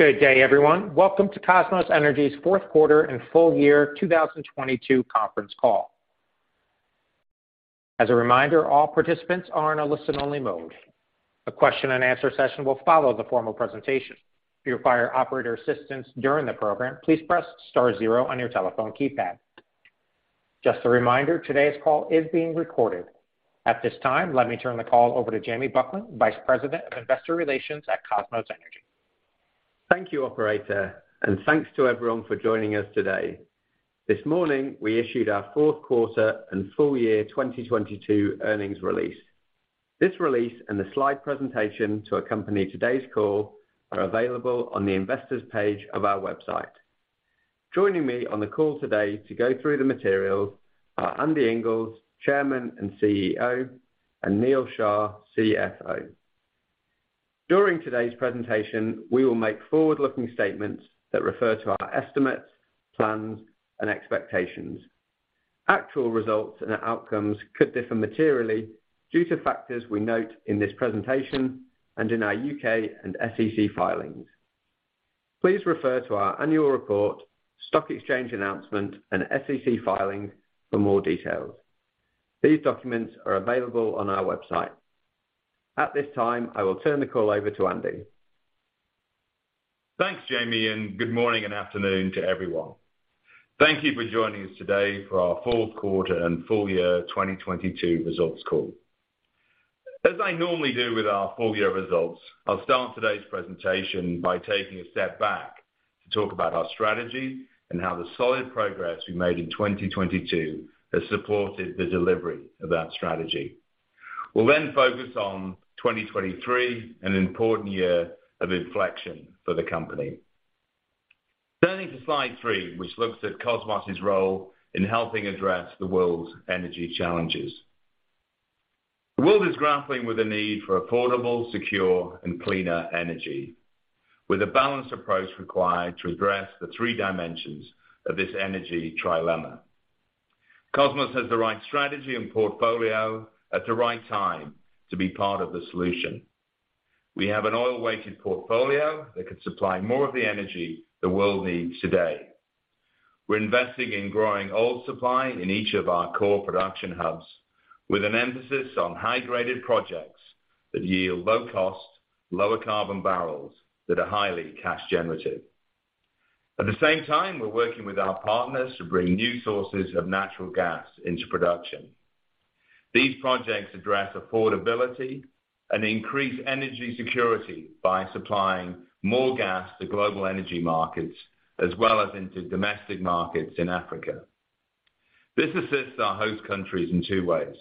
Good day, everyone. Welcome to Kosmos Energy's Fourth Quarter and Full Year 2022 Conference Call. As a reminder, all participants are in a listen-only mode. A question and answer session will follow the formal presentation. If you require operator assistance during the program, please press star zero on your telephone keypad. Just a reminder, today's call is being recorded. At this time, let me turn the call over to Jamie Buckland, Vice President of Investor Relations at Kosmos Energy. Thank you, operator, and thanks to everyone for joining us today. This morning, we issued our fourth quarter and full year 2022 earnings release. This release and the slide presentation to accompany today's call are available on the investors page of our website. Joining me on the call today to go through the materials are Andy Inglis, Chairman and CEO, and Neal Shah, CFO. During today's presentation, we will make forward-looking statements that refer to our estimates, plans, and expectations. Actual results and outcomes could differ materially due to factors we note in this presentation and in our U.K. and SEC filings. Please refer to our annual report, stock exchange announcement, and SEC filings for more details. These documents are available on our website. At this time, I will turn the call over to Andy. Thanks, Jamie, and good morning and afternoon to everyone. Thank you for joining us today for our fourth quarter and full year 2022 results call. As I normally do with our full year results, I'll start today's presentation by taking a step back to talk about our strategy and how the solid progress we made in 2022 has supported the delivery of that strategy. We'll then focus on 2023, an important year of inflection for the company. Turning to slide three, which looks at Kosmos' role in helping address the world's energy challenges. The world is grappling with the need for affordable, secure, and cleaner energy, with a balanced approach required to address the three dimensions of this energy trilemma. Kosmos has the right strategy and portfolio at the right time to be part of the solution. We have an oil-weighted portfolio that can supply more of the energy the world needs today. We're investing in growing oil supply in each of our core production hubs with an emphasis on high-graded projects that yield low cost, lower carbon barrels that are highly cash generative. At the same time, we're working with our partners to bring new sources of natural gas into production. These projects address affordability and increase energy security by supplying more gas to global energy markets as well as into domestic markets in Africa. This assists our host countries in two ways.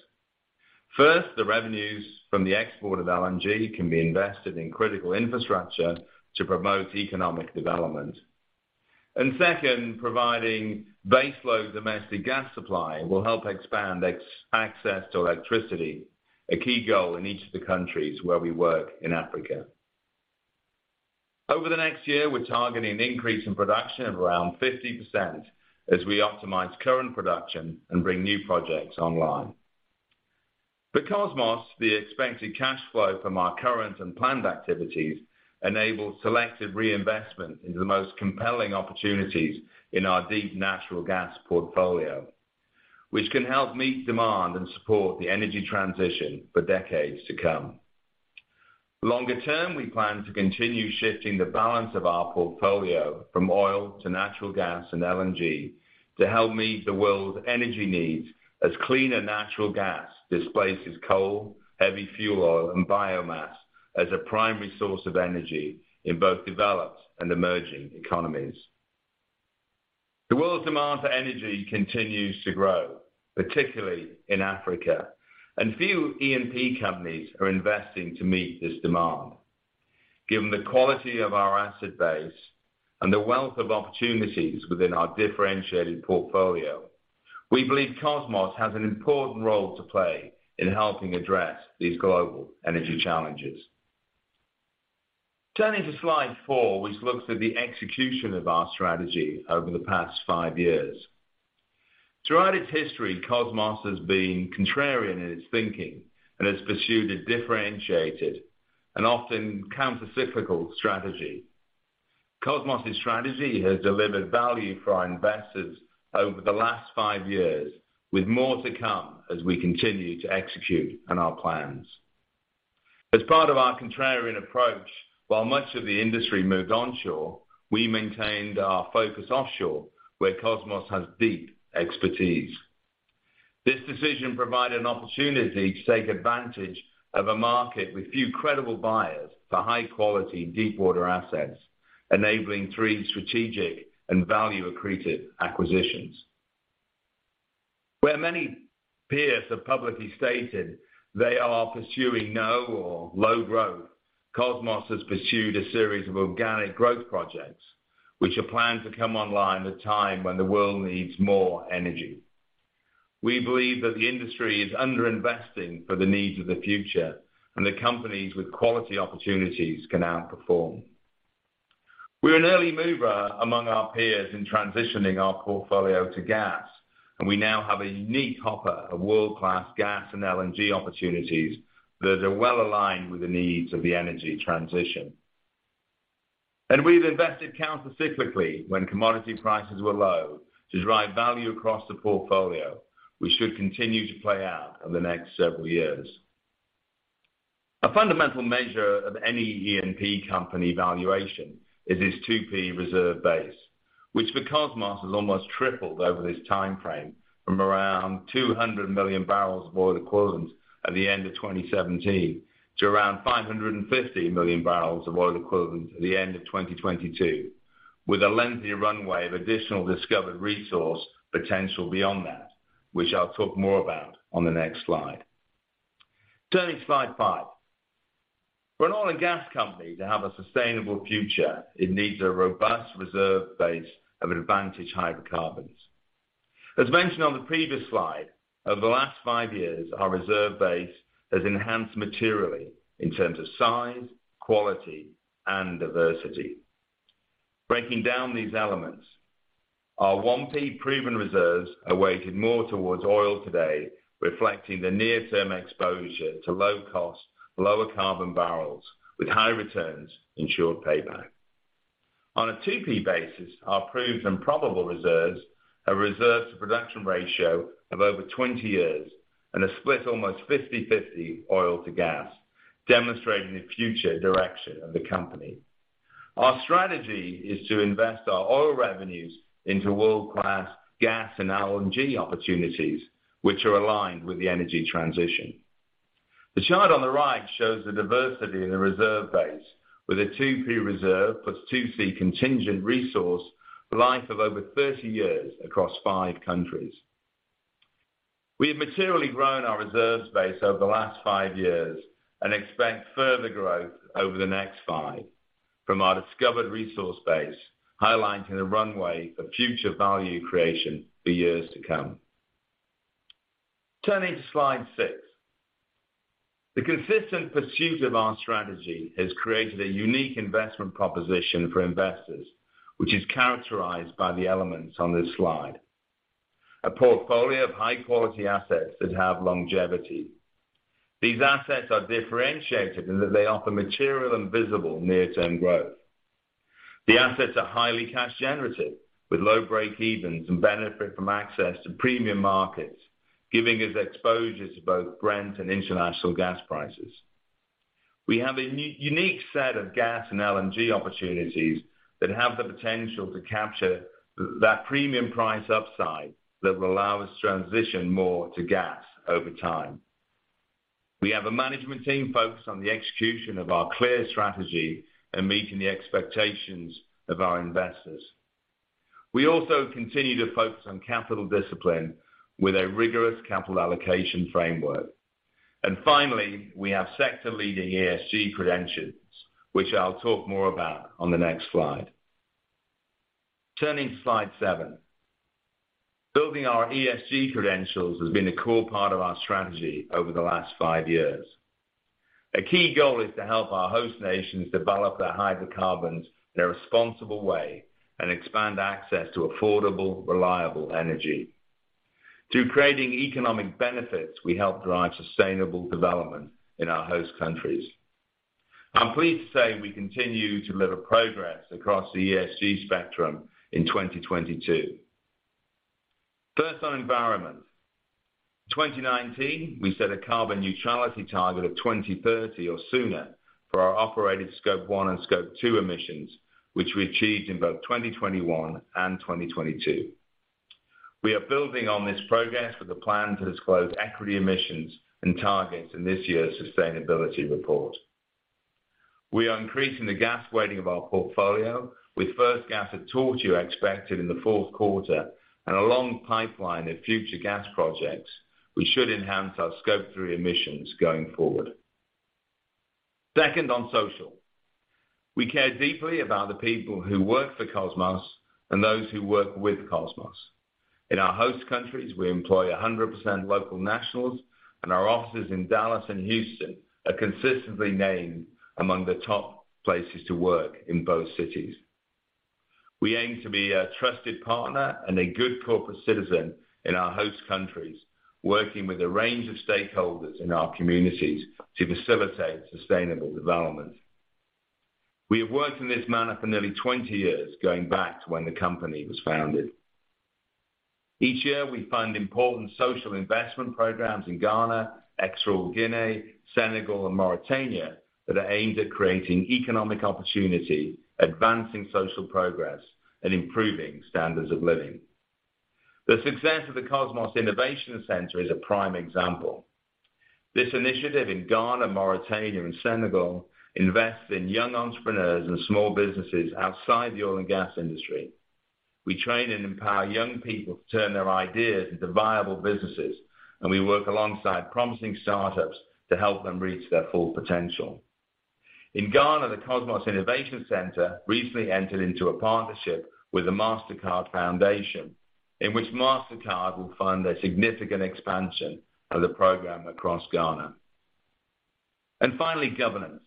First, the revenues from the export of LNG can be invested in critical infrastructure to promote economic development. Second, providing baseload domestic gas supply will help expand access to electricity, a key goal in each of the countries where we work in Africa. Over the next year, we're targeting an increase in production of around 50% as we optimize current production and bring new projects online. For Kosmos, the expected cash flow from our current and planned activities enables selective reinvestment into the most compelling opportunities in our deep natural gas portfolio, which can help meet demand and support the energy transition for decades to come. Longer term, we plan to continue shifting the balance of our portfolio from oil to natural gas and LNG to help meet the world's energy needs as cleaner natural gas displaces coal, heavy fuel oil, and biomass as a primary source of energy in both developed and emerging economies. The world's demand for energy continues to grow, particularly in Africa, few E&P companies are investing to meet this demand. Given the quality of our asset base and the wealth of opportunities within our differentiated portfolio, we believe Kosmos has an important role to play in helping address these global energy challenges. Turning to slide four, which looks at the execution of our strategy over the past five years. Throughout its history, Kosmos has been contrarian in its thinking and has pursued a differentiated and often countercyclical strategy. Kosmos' strategy has delivered value for our investors over the last five years, with more to come as we continue to execute on our plans. As part of our contrarian approach, while much of the industry moved onshore, we maintained our focus offshore, where Kosmos has deep expertise. This decision provided an opportunity to take advantage of a market with few credible buyers for high-quality deepwater assets, enabling three strategic and value-accretive acquisitions. Where many peers have publicly stated they are pursuing no or low growth, Kosmos has pursued a series of organic growth projects which are planned to come online at a time when the world needs more energy. We believe that the industry is underinvesting for the needs of the future and that companies with quality opportunities can outperform. We're an early mover among our peers in transitioning our portfolio to gas. We now have a unique hopper of world-class gas and LNG opportunities that are well aligned with the needs of the energy transition. We've invested counter-cyclically when commodity prices were low to drive value across the portfolio. We should continue to play out over the next several years. A fundamental measure of any E&P company valuation is its 2P reserve base, which for Kosmos has almost tripled over this time frame from around 200 MMbbl of oil equivalent at the end of 2017 to around 550 MMbbl of oil equivalent at the end of 2022, with a lengthy runway of additional discovered resource potential beyond that, which I'll talk more about on the next slide. Turning to slide five. For an oil and gas company to have a sustainable future, it needs a robust reserve base of advantaged hydrocarbons. As mentioned on the previous slide, over the last five years, our reserve base has enhanced materially in terms of size, quality, and diversity. Breaking down these elements, our 1P proven reserves are weighted more towards oil today, reflecting the near-term exposure to low-cost, lower-carbon barrels with high returns and short payback. On a 2P basis, our proved and probable reserves have reserve-to-production ratio of over 20 years and are split almost 50/50 oil to gas, demonstrating the future direction of the company. Our strategy is to invest our oil revenues into world-class gas and LNG opportunities, which are aligned with the energy transition. The chart on the right shows the diversity in the reserve base with a 2P reserve plus 2C contingent resource life of over 30 years across five countries. We have materially grown our reserves base over the last five years and expect further growth over the next five from our discovered resource base, highlighting the runway of future value creation for years to come. Turning to slide six. The consistent pursuit of our strategy has created a unique investment proposition for investors, which is characterized by the elements on this slide. A portfolio of high-quality assets that have longevity. These assets are differentiated in that they offer material and visible near-term growth. The assets are highly cash generative with low break evens and benefit from access to premium markets, giving us exposure to both Brent and international gas prices. We have a unique set of gas and LNG opportunities that have the potential to capture that premium price upside that will allow us to transition more to gas over time. We have a management team focused on the execution of our clear strategy and meeting the expectations of our investors. We also continue to focus on capital discipline with a rigorous capital allocation framework. Finally, we have sector-leading ESG credentials, which I'll talk more about on the next slide. Turning to Slide seven. Building our ESG credentials has been a core part of our strategy over the last five years. A key goal is to help our host nations develop their hydrocarbons in a responsible way and expand access to affordable, reliable energy. Through creating economic benefits, we help drive sustainable development in our host countries. I'm pleased to say we continue to deliver progress across the ESG spectrum in 2022. First, on environment. In 2019, we set a carbon neutrality target of 2030 or sooner for our operated Scope 1 and Scope 2 emissions, which we achieved in both 2021 and 2022. We are building on this progress with a plan to disclose equity emissions and targets in this year's sustainability report. We are increasing the gas weighting of our portfolio with first gas at Tortue expected in the fourth quarter and a long pipeline of future gas projects which should enhance our Scope 3 emissions going forward. Second on social. We care deeply about the people who work for Kosmos and those who work with Kosmos. In our host countries, we employ 100% local nationals, and our offices in Dallas and Houston are consistently named among the top places to work in both cities. We aim to be a trusted partner and a good corporate citizen in our host countries, working with a range of stakeholders in our communities to facilitate sustainable development. We have worked in this manner for nearly 20 years, going back to when the company was founded. Each year, we fund important social investment programs in Ghana, Equatorial Guinea, Senegal, and Mauritania that are aimed at creating economic opportunity, advancing social progress, and improving standards of living. The success of the Kosmos Innovation Center is a prime example. This initiative in Ghana, Mauritania, and Senegal invests in young entrepreneurs and small businesses outside the oil and gas industry. We train and empower young people to turn their ideas into viable businesses, and we work alongside promising startups to help them reach their full potential. In Ghana, the Kosmos Innovation Center recently entered into a partnership with the Mastercard Foundation, in which Mastercard will fund a significant expansion of the program across Ghana. Finally, governance.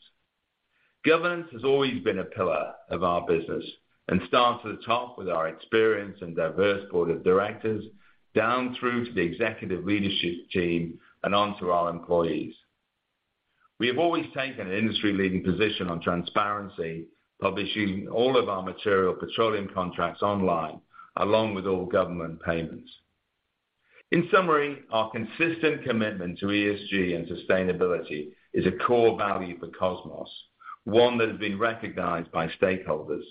Governance has always been a pillar of our business and starts at the top with our experienced and diverse board of directors, down through to the executive leadership team and onto our employees. We have always taken an industry-leading position on transparency, publishing all of our material petroleum contracts online, along with all government payments. In summary, our consistent commitment to ESG and sustainability is a core value for Kosmos, one that has been recognized by stakeholders.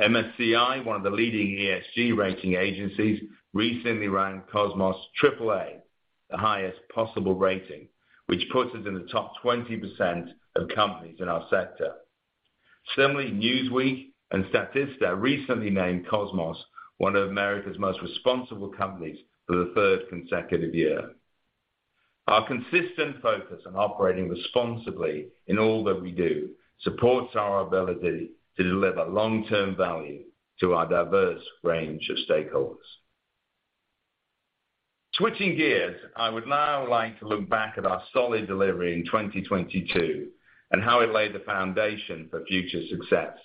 MSCI, one of the leading ESG rating agencies, recently ranked Kosmos AAA, the highest possible rating, which puts us in the top 20% of companies in our sector. Similarly, Newsweek and Statista recently named Kosmos one of America's most responsible companies for the third consecutive year. Our consistent focus on operating responsibly in all that we do supports our ability to deliver long-term value to our diverse range of stakeholders. Switching gears, I would now like to look back at our solid delivery in 2022 and how it laid the foundation for future success.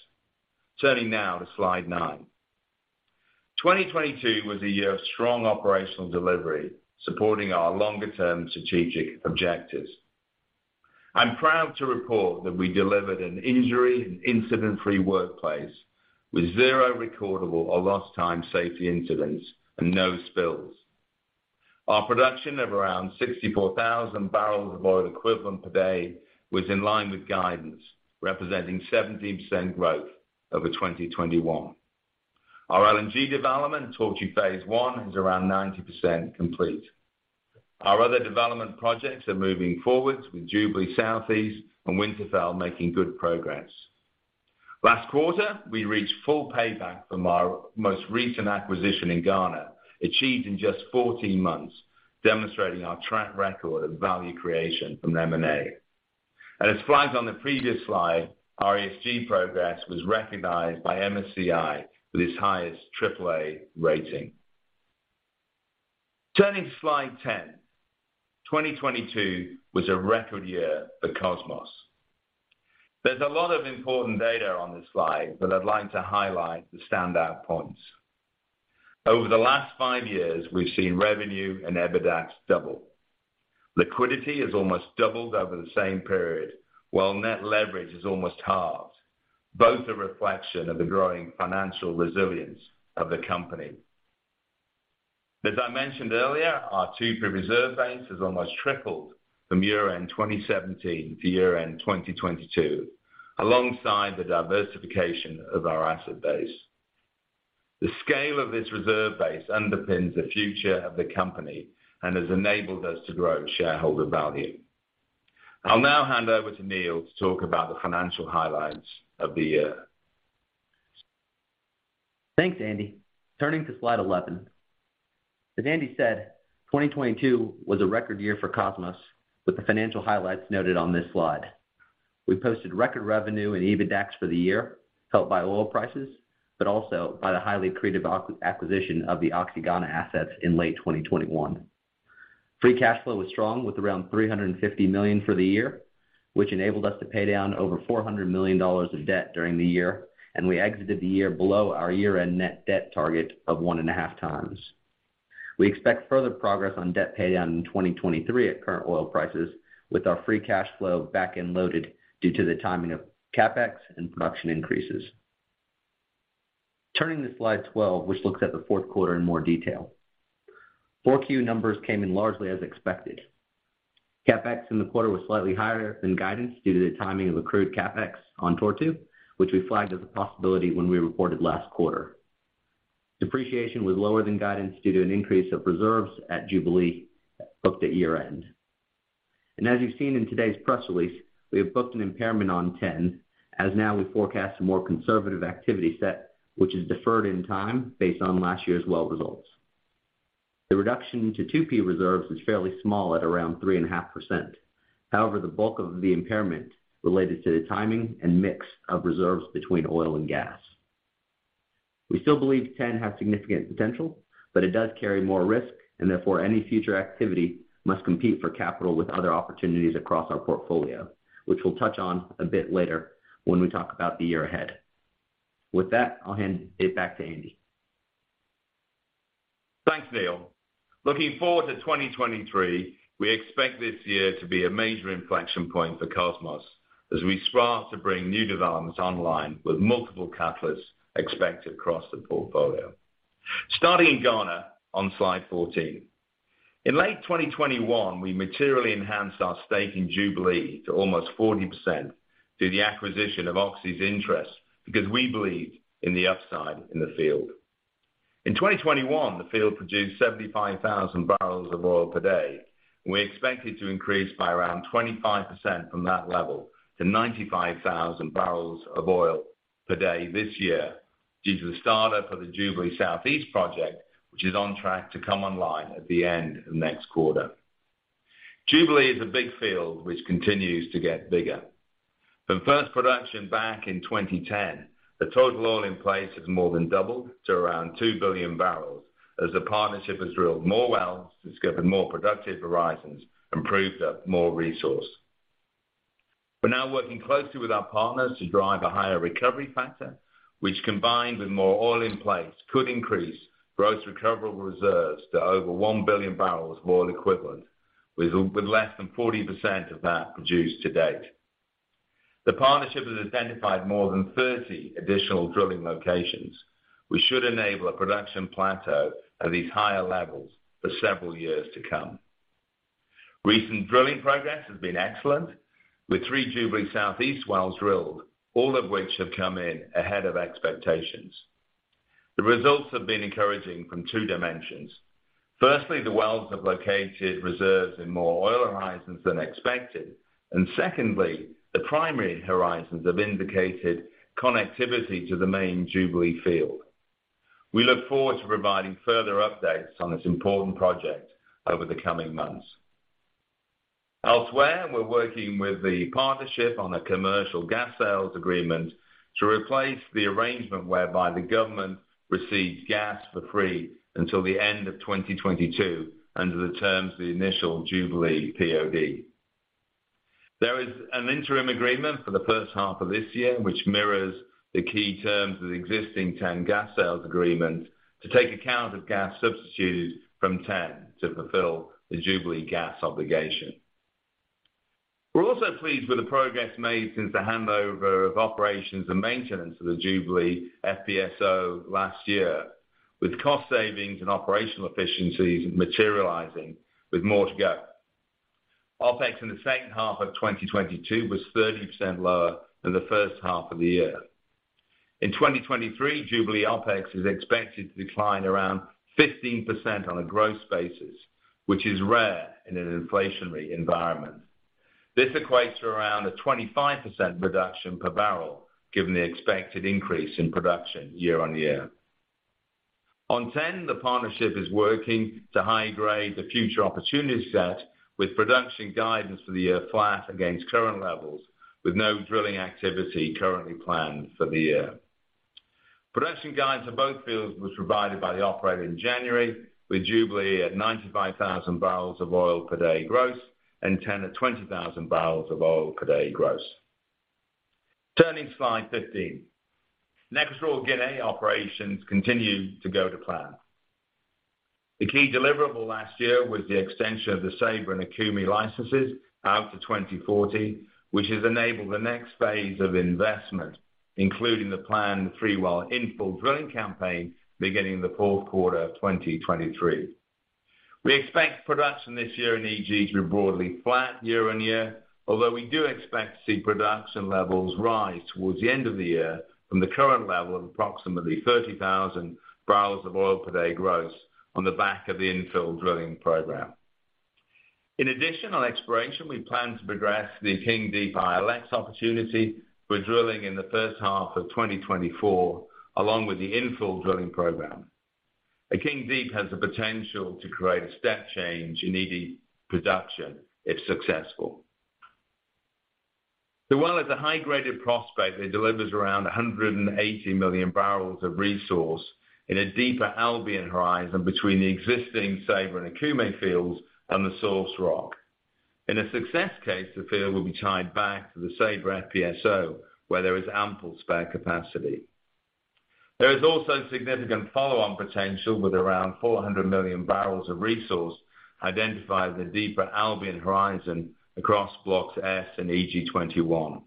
Turning now to slide nine. 2022 was a year of strong operational delivery, supporting our longer-term strategic objectives. I'm proud to report that we delivered an injury and incident-free workplace with zero recordable or lost time safety incidents and no spills. Our production of around 64,000 bbl of oil equivalent per day was in line with guidance, representing 17% growth over 2021. Our LNG development, Tortue phase I, is around 90% complete. Our other development projects are moving forwards, with Jubilee Southeast and Winterfell making good progress. Last quarter, we reached full payback from our most recent acquisition in Ghana, achieved in just 14 months, demonstrating our track record of value creation from M&A. As flagged on the previous slide, our ESG progress was recognized by MSCI with its highest AAA rating. Turning to slide 10. 2022 was a record year for Kosmos. There's a lot of important data on this slide, but I'd like to highlight the standout points. Over the last five years, we've seen revenue and EBITDA double. Liquidity has almost doubled over the same period, while net leverage has almost halved, both a reflection of the growing financial resilience of the company. As I mentioned earlier, our 2P reserve base has almost tripled from year-end 2017 to year-end 2022, alongside the diversification of our asset base. The scale of this reserve base underpins the future of the company and has enabled us to grow shareholder value. I'll now hand over to Neil to talk about the financial highlights of the year. Thanks, Andy. Turning to slide 11. As Andy said, 2022 was a record year for Kosmos, with the financial highlights noted on this slide. We posted record revenue and EBITDA for the year, helped by oil prices, but also by the highly accretive acquisition of the Oxy Ghana assets in late 2021. Free cash flow was strong, with around $350 million for the year, which enabled us to pay down over $400 million of debt during the year, and we exited the year below our year-end net debt target of one and a half times. We expect further progress on debt paydown in 2023 at current oil prices, with our free cash flow back-end loaded due to the timing of CapEx and production increases. Turning to slide 12, which looks at the fourth quarter in more detail. 4Q numbers came in largely as expected. CapEx in the quarter was slightly higher than guidance due to the timing of accrued CapEx on Tortue, which we flagged as a possibility when we reported last quarter. Depreciation was lower than guidance due to an increase of reserves at Jubilee booked at year-end. As you've seen in today's press release, we have booked an impairment on TEN, as now we forecast a more conservative activity set, which is deferred in time based on last year's well results. The reduction to 2P reserves is fairly small at around 3.5%. However, the bulk of the impairment related to the timing and mix of reserves between oil and gas. We still believe TEN has significant potential, but it does carry more risk, and therefore, any future activity must compete for capital with other opportunities across our portfolio, which we'll touch on a bit later when we talk about the year ahead. With that, I'll hand it back to Andy. Thanks, Neal. Looking forward to 2023, we expect this year to be a major inflection point for Kosmos as we start to bring new developments online with multiple catalysts expected across the portfolio. Starting in Ghana on slide 14. In late 2021, we materially enhanced our stake in Jubilee to almost 40% through the acquisition of Oxy's interest because we believe in the upside in the field. In 2021, the field produced 75,000 bbl of oil per day, and we expect it to increase by around 25% from that level to 95,000 bbl of oil per day this year due to the startup of the Jubilee Southeast project, which is on track to come online at the end of next quarter. Jubilee is a big field which continues to get bigger. From first production back in 2010, the total oil in place has more than doubled to around 2 billion bbl as the partnership has drilled more wells, discovered more productive horizons, and proved up more resource. We're now working closely with our partners to drive a higher recovery factor, which combined with more oil in place, could increase gross recoverable reserves to over 1 billion bbl of oil equivalent, with less than 40% of that produced to date. The partnership has identified more than 30 additional drilling locations, which should enable a production plateau at these higher levels for several years to come. Recent drilling progress has been excellent, with three Jubilee South East wells drilled, all of which have come in ahead of expectations. The results have been encouraging from two dimensions. The wells have located reserves in more oil horizons than expected. Secondly, the primary horizons have indicated connectivity to the main Jubilee Field. We look forward to providing further updates on this important project over the coming months. Elsewhere, we're working with the partnership on a commercial gas sales agreement to replace the arrangement whereby the government receives gas for free until the end of 2022 under the terms of the initial Jubilee PoD. There is an interim agreement for the first half of this year, which mirrors the key terms of the existing TEN gas sales agreement to take account of gas substituted from TEN to fulfill the Jubilee gas obligation. We're also pleased with the progress made since the handover of operations and maintenance of the Jubilee FPSO last year, with cost savings and operational efficiencies materializing with more to go. OpEx in the second half of 2022 was 30% lower than the first half of the year. In 2023, Jubilee OpEx is expected to decline around 15% on a growth basis, which is rare in an inflationary environment. This equates to around a 25% reduction per barrel given the expected increase in production year-on-year. On TEN, the partnership is working to high-grade the future opportunity set with production guidance for the year flat against current levels, with no drilling activity currently planned for the year. Production guidance for both fields was provided by the operator in January, with Jubilee at 95,000 bbl of oil per day gross and TEN at 20,000 bbl of oil per day gross. Turning to slide 15. Equatorial Guinea operations continue to go to plan. The key deliverable last year was the extension of the Ceiba and Okume licenses out to 2040, which has enabled the next phase of investment, including the planned three-well infill drilling campaign beginning in the fourth quarter of 2023. We expect production this year in EG to be broadly flat year-on-year, although we do expect to see production levels rise towards the end of the year from the current level of approximately 30,000 bbl of oil per day gross on the back of the infill drilling program. In additional exploration, we plan to progress the King Deep ILX opportunity for drilling in the first half of 2024, along with the infill drilling program. King Deep has the potential to create a step change in EG production if successful. The well is a high-graded prospect that delivers around 180 MMbbl of resource in a deeper Albian horizon between the existing Saber and Okume fields and the source rock. In a success case, the field will be tied back to the Saber FPSO, where there is ample spare capacity. There is also significant follow-on potential with around 400 MMbbl of resource identified in the deeper Albian horizon across Blocks S and EG 21.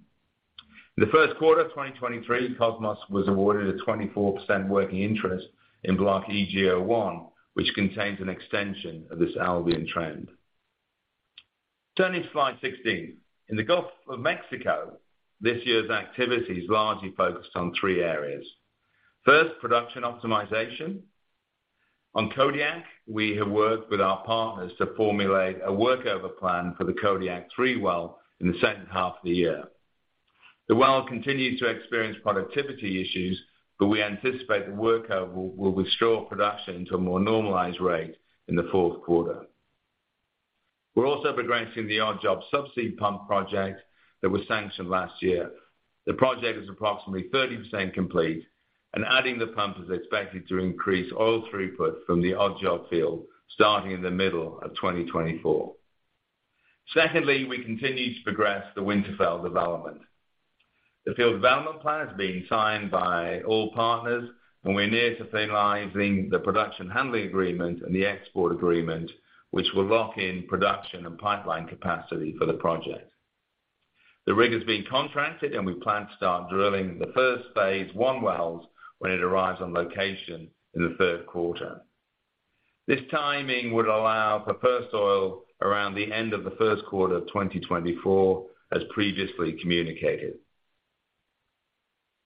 In the first quarter of 2023, Kosmos was awarded a 24% working interest in Block EG 01, which contains an extension of this Albian trend. Turning to slide 16. In the Gulf of Mexico, this year's activity is largely focused on three areas. First, production optimization. On Kodiak, we have worked with our partners to formulate a workover plan for the Kodiak 3 well in the second half of the year. We anticipate the workover will restore production to a more normalized rate in the fourth quarter. We're also progressing the Odd Job subsea pump project that was sanctioned last year. The project is approximately 30% complete, Adding the pump is expected to increase oil throughput from the Odd Job field, starting in the middle of 2024. Secondly, we continue to progress the Winterfell development. The field development plan is being signed by all partners, We're near to finalizing the production handling agreement and the export agreement, which will lock in production and pipeline capacity for the project. The rig is being contracted. We plan to start drilling the first phase I wells when it arrives on location in the third quarter. This timing would allow for first oil around the end of the first quarter of 2024, as previously communicated.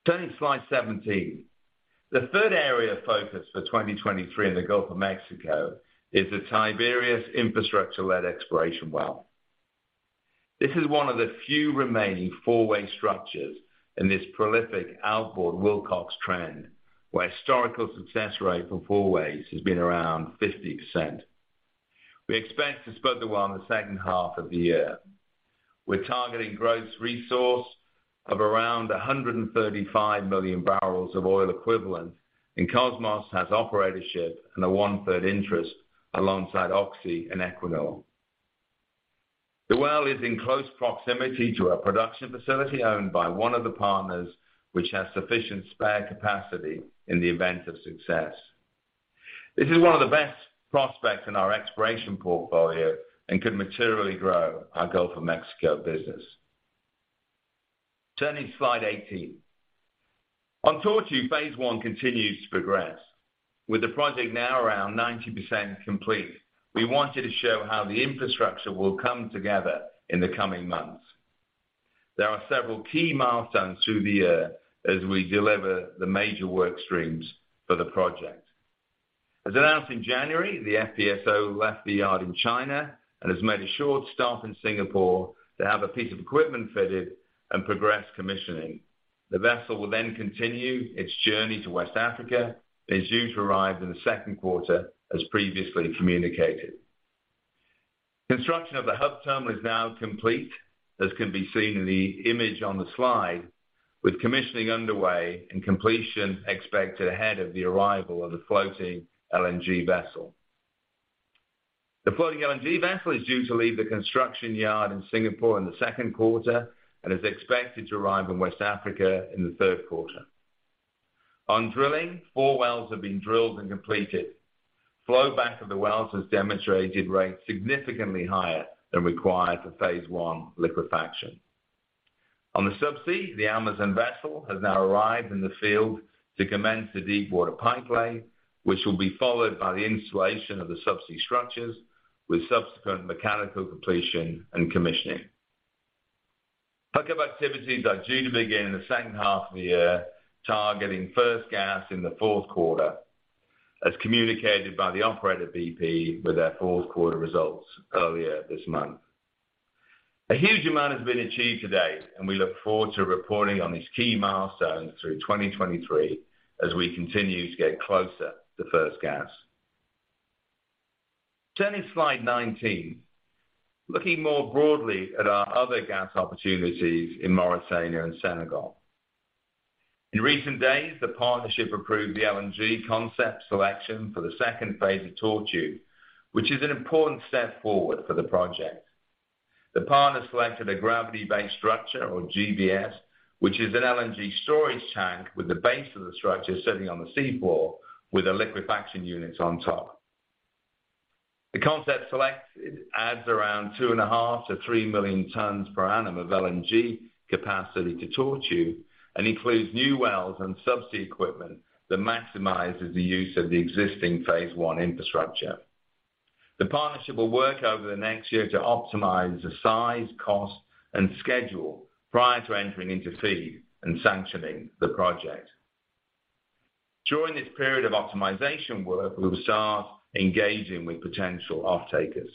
Turning to slide 17. The third area of focus for 2023 in the Gulf of Mexico is the Tiberius infrastructure-led exploration well. This is one of the few remaining four-way structures in this prolific outboard Wilcox trend, where historical success rate for four ways has been around 50%. We expect to spud the well in the second half of the year. We're targeting gross resource of around 135 MMbbl of oil equivalent, and Kosmos has operatorship and a 1/3 interest alongside Oxy and Equinor. The well is in close proximity to a production facility owned by one of the partners, which has sufficient spare capacity in the event of success. This is one of the best prospects in our exploration portfolio and could materially grow our Gulf of Mexico business. Turning to slide 18. On Tortue phase I continues to progress. With the project now around 90% complete, we wanted to show how the infrastructure will come together in the coming months. There are several key milestones through the year as we deliver the major work streams for the project. As announced in January, the FPSO left the yard in China and has made a short stop in Singapore to have a piece of equipment fitted and progress commissioning. The vessel will continue its journey to West Africa, and is due to arrive in the second quarter as previously communicated. Construction of the hub terminal is now complete, as can be seen in the image on the slide, with commissioning underway and completion expected ahead of the arrival of the floating LNG vessel. The floating LNG vessel is due to leave the construction yard in Singapore in the second quarter and is expected to arrive in West Africa in the third quarter. On drilling, four wells have been drilled and completed. Flow back of the wells has demonstrated rates significantly higher than required for phase I liquefaction. On the subsea, the Amazon vessel has now arrived in the field to commence the deep water pipelay, which will be followed by the installation of the subsea structures with subsequent mechanical completion and commissioning. Hookup activities are due to begin in the second half of the year, targeting first gas in the fourth quarter, as communicated by the operator BP with their fourth quarter results earlier this month. We look forward to reporting on these key milestones through 2023 as we continue to get closer to first gas. Turning to slide 19. Looking more broadly at our other gas opportunities in Mauritania and Senegal. In recent days, the partnership approved the LNG concept selection for the second phase of Tortue, which is an important step forward for the project. The partner selected a gravity-based structure or GBS, which is an LNG storage tank with the base of the structure sitting on the seafloor with the liquefaction units on top. The concept selected adds around 2.5 million to 3 million tons per annum of LNG capacity to Tortue and includes new wells and subsea equipment that maximizes the use of the existing phase I infrastructure. The partnership will work over the next year to optimize the size, cost, and schedule prior to entering into FEED and sanctioning the project. During this period of optimization work, we'll start engaging with potential off-takers.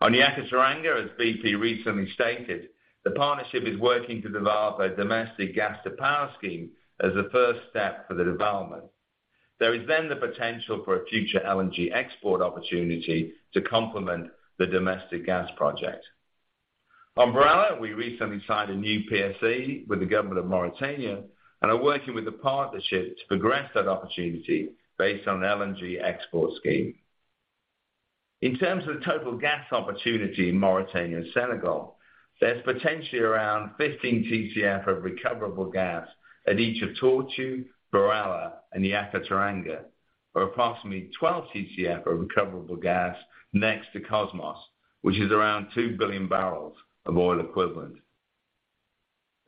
On Yakaar-Teranga, as BP recently stated, the partnership is working to develop a domestic gas-to-power scheme as a first step for the development. There is the potential for a future LNG export opportunity to complement the domestic gas project. On BirAllah, we recently signed a new PSC with the government of Mauritania and are working with the partnership to progress that opportunity based on LNG export scheme. In terms of the total gas opportunity in Mauritania and Senegal, there's potentially around 15 TCF of recoverable gas at each of Tortue, BirAllah and Yakaar-Teranga, or approximately 12 TCF of recoverable gas next to Kosmos, which is around 2 billion bbl of oil equivalent.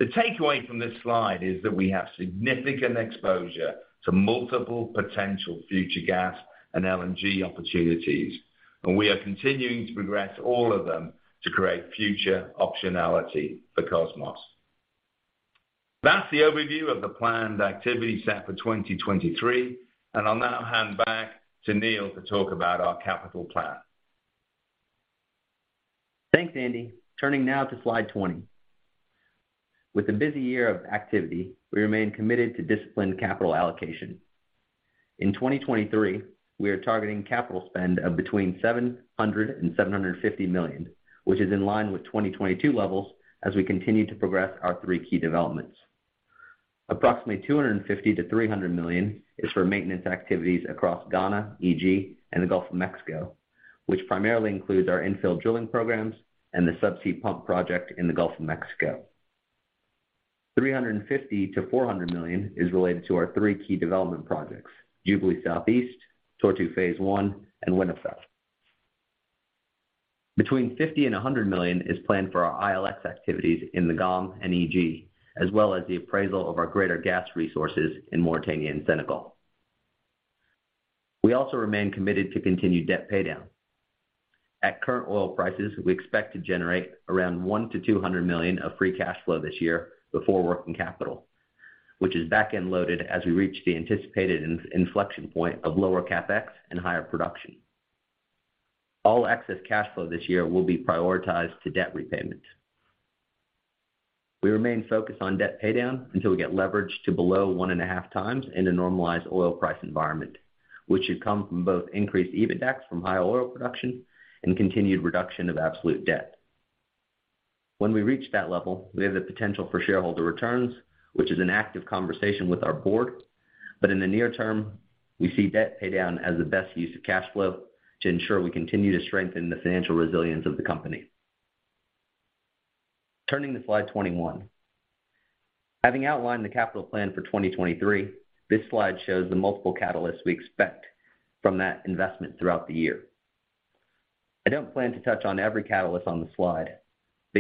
The takeaway from this slide is that we have significant exposure to multiple potential future gas and LNG opportunities, and we are continuing to progress all of them to create future optionality for Kosmos. That's the overview of the planned activity set for 2023, and I'll now hand back to Neal to talk about our capital plan. Thanks, Andy. Turning now to slide 20. With a busy year of activity, we remain committed to disciplined capital allocation. In 2023, we are targeting capital spend of between $700 million to $750 million, which is in line with 2022 levels as we continue to progress our three key developments. Approximately $250 million to $300 million is for maintenance activities across Ghana, EG, and the Gulf of Mexico, which primarily includes our infill drilling programs and the subsea pump project in the Gulf of Mexico. $350 million to $400 million is related to our three key development projects, Jubilee Southeast, Tortue phase I, and Winterfell. Between $50 million to $100 million is planned for our ILX activities in the GoM and EG, as well as the appraisal of our greater gas resources in Mauritania and Senegal. We also remain committed to continued debt paydown. At current oil prices, we expect to generate around $100 million to $200 million of free cash flow this year before working capital, which is back-end loaded as we reach the anticipated inflection point of lower CapEx and higher production. All excess cash flow this year will be prioritized to debt repayments. We remain focused on debt paydown until we get leverage to below 1.5x in a normalized oil price environment, which should come from both increased EBITDA from high oil production and continued reduction of absolute debt. When we reach that level, we have the potential for shareholder returns, which is an active conversation with our board. In the near term, we see debt paydown as the best use of cash flow to ensure we continue to strengthen the financial resilience of the company. Turning to slide 21. Having outlined the capital plan for 2023, this slide shows the multiple catalysts we expect from that investment throughout the year. I don't plan to touch on every catalyst on the slide,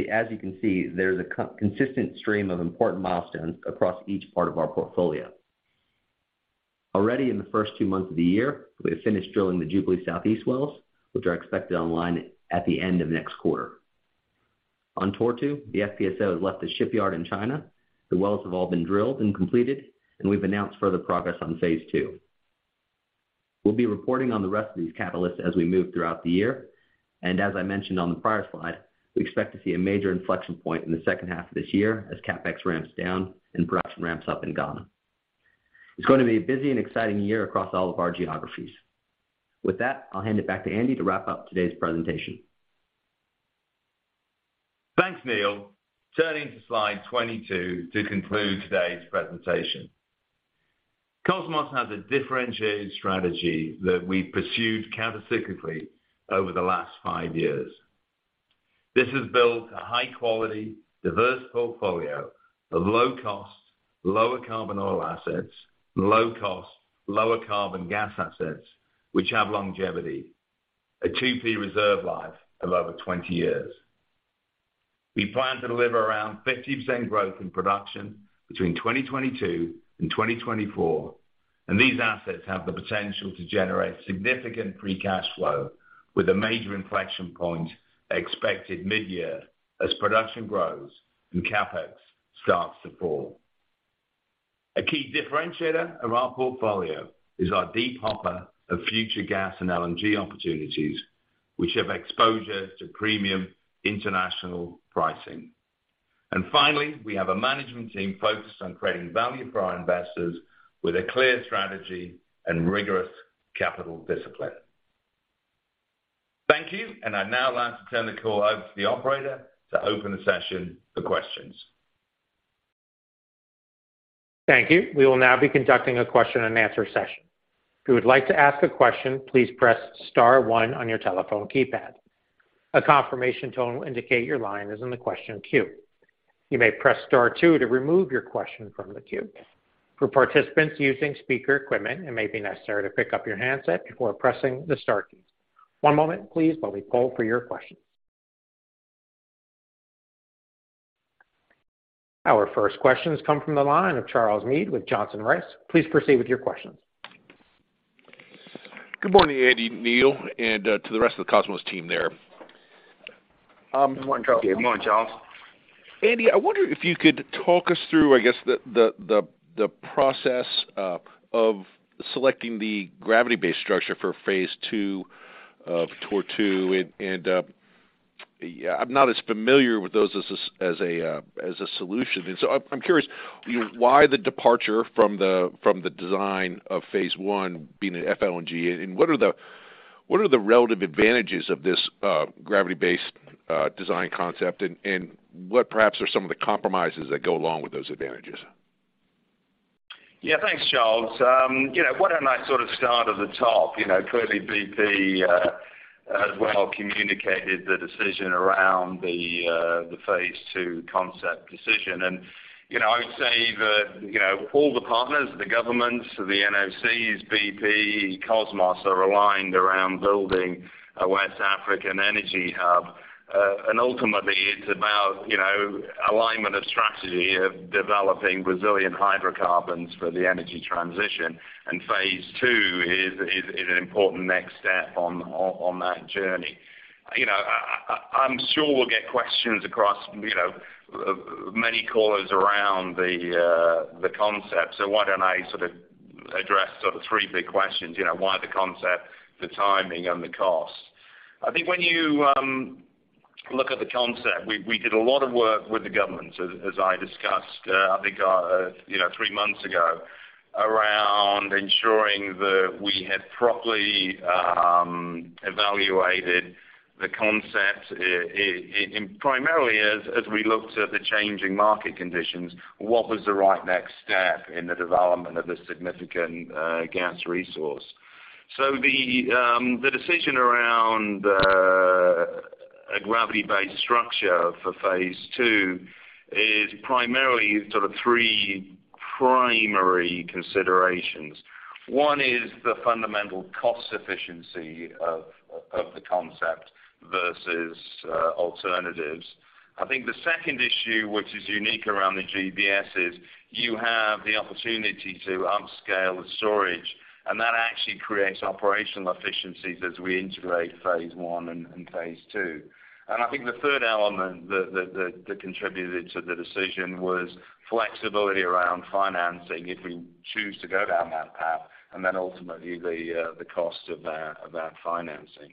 as you can see, there's a co-consistent stream of important milestones across each part of our portfolio. Already in the first two months of the year, we have finished drilling the Jubilee South East wells, which are expected online at the end of next quarter. On Tortue, the FPSO has left the shipyard in China. The wells have all been drilled and completed, we've announced further progress on phase II. We'll be reporting on the rest of these catalysts as we move throughout the year. As I mentioned on the prior slide, we expect to see a major inflection point in the second half of this year as CapEx ramps down and production ramps up in Ghana. It's going to be a busy and exciting year across all of our geographies. With that, I'll hand it back to Andy to wrap up today's presentation. Thanks, Neal. Turning to slide 22 to conclude today's presentation. Kosmos has a differentiated strategy that we pursued countercyclically over the last five years. This has built a high-quality, diverse portfolio of low cost, lower carbon oil assets, low cost, lower carbon gas assets, which have longevity, a 2P reserve life of over 20 years. We plan to deliver around 50% growth in production between 2022 and 2024, and these assets have the potential to generate significant free cash flow with a major inflection point expected mid-year as production grows and CapEx starts to fall. A key differentiator of our portfolio is our deep hopper of future gas and LNG opportunities, which have exposure to premium international pricing. Finally, we have a management team focused on creating value for our investors with a clear strategy and rigorous capital discipline. Thank you. I'd now like to turn the call over to the operator to open the session for questions. Thank you. We will now be conducting a question-and-answer session. If you would like to ask a question, please press star one on your telephone keypad. A confirmation tone will indicate your line is in the question queue. You may press star two to remove your question from the queue. For participants using speaker equipment, it may be necessary to pick up your handset before pressing the star keys. One moment, please, while we poll for your questions. Our first questions come from the line of Charles Meade with Johnson Rice. Please proceed with your questions. Good morning, Andy, Neal, and to the rest of the Kosmos team there. Good morning, Charles. Good morning, Charles. Andy, I wonder if you could talk us through, I guess the process of selecting the gravity-based structure for phase I of Tortue. Yeah, I'm not as familiar with those as a solution. I'm curious why the departure from the design of phase I being an FLNG, and what are the relative advantages of this gravity-based design concept? What perhaps are some of the compromises that go along with those advantages? Yeah. Thanks, Charles. You know, why don't I sort of start at the top? You know, clearly BP has well communicated the decision around the phase II concept decision. You know, I would say that, you know, all the partners, the governments, the NOCs, BP, Kosmos, are aligned around building a West African energy hub. Ultimately, it's about, you know, alignment of strategy of developing Brazilian hydrocarbons for the energy transition. Phase II is an important next step on that journey. You know, I'm sure we'll get questions across, you know, many callers around the concept. Why don't I sort of address sort of three big questions, you know, why the concept, the timing, and the cost. I think when you look at the concept, we did a lot of work with the government, as I discussed, I think, you know, three months ago, around ensuring that we had properly evaluated the concept, and primarily as we looked at the changing market conditions, what was the right next step in the development of this significant gas resource. The decision around a gravity-based structure for phase II is primarily sort of three primary considerations. One is the fundamental cost efficiency of the concept versus alternatives. I think the second issue, which is unique around the GBS, is you have the opportunity to upscale the storage, and that actually creates operational efficiencies as we integrate phase I and phase II. I think the third element that contributed to the decision was flexibility around financing, if we choose to go down that path, and then ultimately the cost of that financing.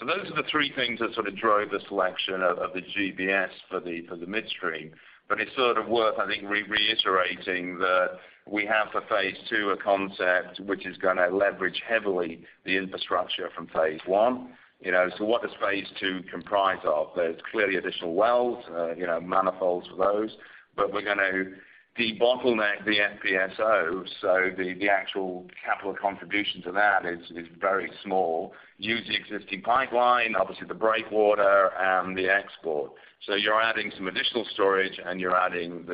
Those are the three things that sort of drove the selection of the GBS for the midstream. It's sort of worth, I think, reiterating that we have for phase II a concept which is gonna leverage heavily the infrastructure from phase I. You know, what does phase II comprise of? There's clearly additional wells, you know, manifolds for those, but we're gonna debottleneck the FPSO. The actual capital contribution to that is very small. Use the existing pipeline, obviously the breakwater and the export. You're adding some additional storage, and you're adding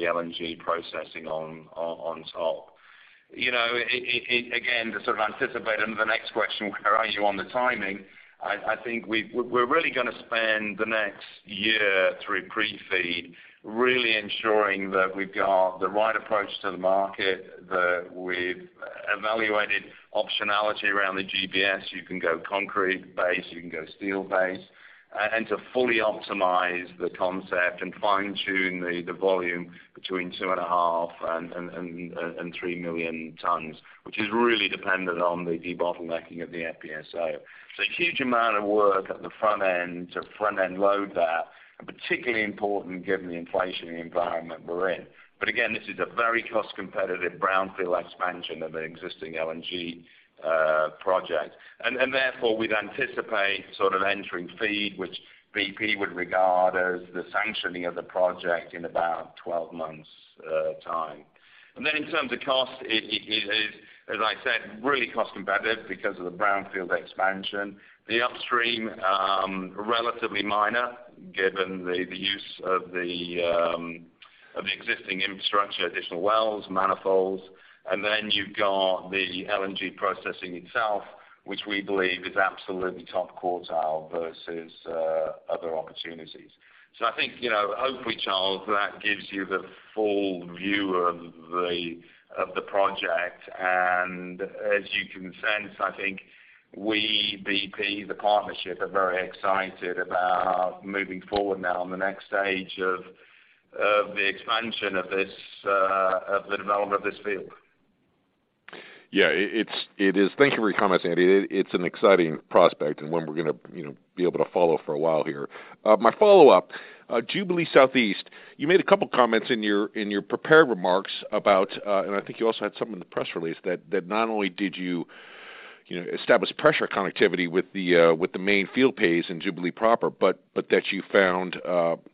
the LNG processing on top. You know, again, to sort of anticipate the next question, where are you on the timing? I think we're really gonna spend the next year through pre-FEED, really ensuring that we've got the right approach to the market, that we've evaluated optionality around the GBS. You can go concrete base, you can go steel base, and to fully optimize the concept and fine-tune the volume between 2.5 and 3 million tons, which is really dependent on the debottlenecking of the FPSO. Huge amount of work at the front end to front-end load that, and particularly important given the inflationary environment we're in. Again, this is a very cost competitive brownfield expansion of an existing LNG project. Therefore, we'd anticipate sort of entering FEED, which BP would regard as the sanctioning of the project in about 12 months time. Then in terms of cost, it is, as I said, really cost competitive because of the brownfield expansion. The upstream, relatively minor given the use of the existing infrastructure, additional wells, manifolds. Then you've got the LNG processing itself, which we believe is absolutely top quartile versus other opportunities. I think, you know, hopefully, Charles, that gives you the full view of the project. As you can sense, I think we, BP, the partnership, are very excited about moving forward now on the next stage of the expansion of this development of this field. Yeah, it is. Thank you for your comments, Andy. It's an exciting prospect and one we're going to, you know, be able to follow for a while here. My follow-up, Jubilee Southeast. You made a couple comments in your prepared remarks about, and I think you also had some in the press release, that not only did you know, establish pressure connectivity with the main field pays in Jubilee proper, but that you found,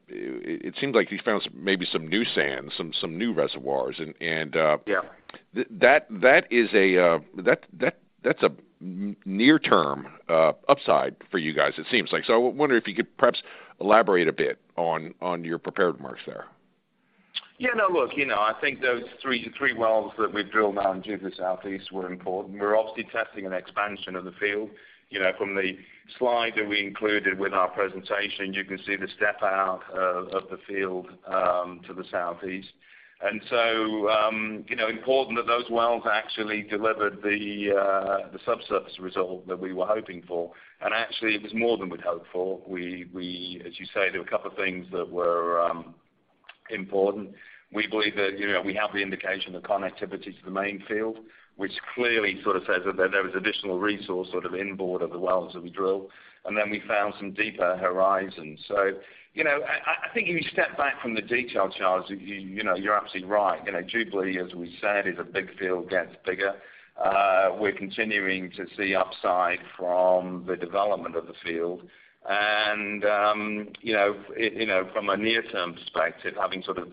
it seems like you found some, maybe some new sand, some new reservoirs. And... Yeah. That is a near term upside for you guys, it seems like. I wonder if you could perhaps elaborate a bit on your prepared remarks there. Yeah, no, look, you know, I think those three wells that we've drilled now in Jubilee Southeast were important. We're obviously testing an expansion of the field. You know, from the slide that we included with our presentation, you can see the step out of the field to the southeast. You know, important that those wells actually delivered the subsurface result that we were hoping for. Actually, it was more than we'd hoped for. As you say, there were a couple of things that were important. We believe that, you know, we have the indication of connectivity to the main field, which clearly sort of says that there is additional resource sort of inboard of the wells that we drill. Then we found some deeper horizons. You know, I think if you step back from the detail, Charles, you know, you're absolutely right. You know, Jubilee, as we said, is a big field, gets bigger. We're continuing to see upside from the development of the field. You know, it, you know, from a near-term perspective, having sort of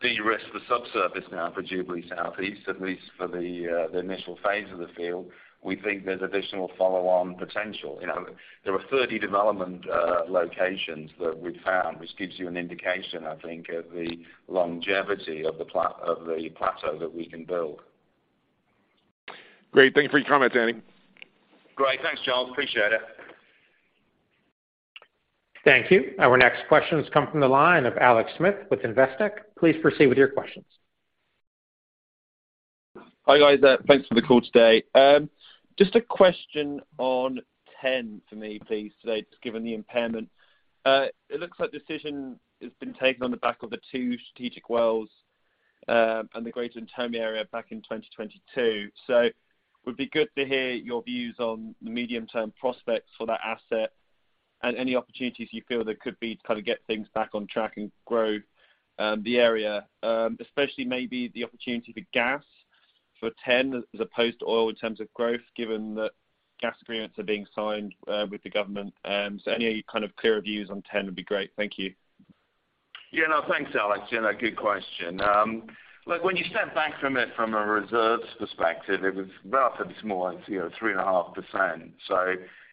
de-risked the subsurface now for Jubilee Southeast, at least for the initial phase of the field, we think there's additional follow-on potential. You know, there are 30 development locations that we've found, which gives you an indication, I think, of the longevity of the plateau that we can build. Great. Thank you for your comments, Andy. Great. Thanks, Charles. Appreciate it. Thank you. Our next question comes from the line of Alex Smith with Investec. Please proceed with your questions. Hi, guys. Thanks for the call today. Just a question on TEN for me, please, today, given the impairment. It looks like the decision has been taken on the back of the two strategic wells and the Greater Tortue Ahmeyim area back in 2022. It would be good to hear your views on the medium-term prospects for that asset and any opportunities you feel there could be to kind of get things back on track and grow the area. Especially maybe the opportunity for gas for TEN as opposed to oil in terms of growth, given that gas agreements are being signed with the government. Any kind of clear views on TEN would be great. Thank you. Yeah, no, thanks, Alex. You know, good question. Look, when you step back from it from a reserves perspective, it was relatively small, you know, 3.5%.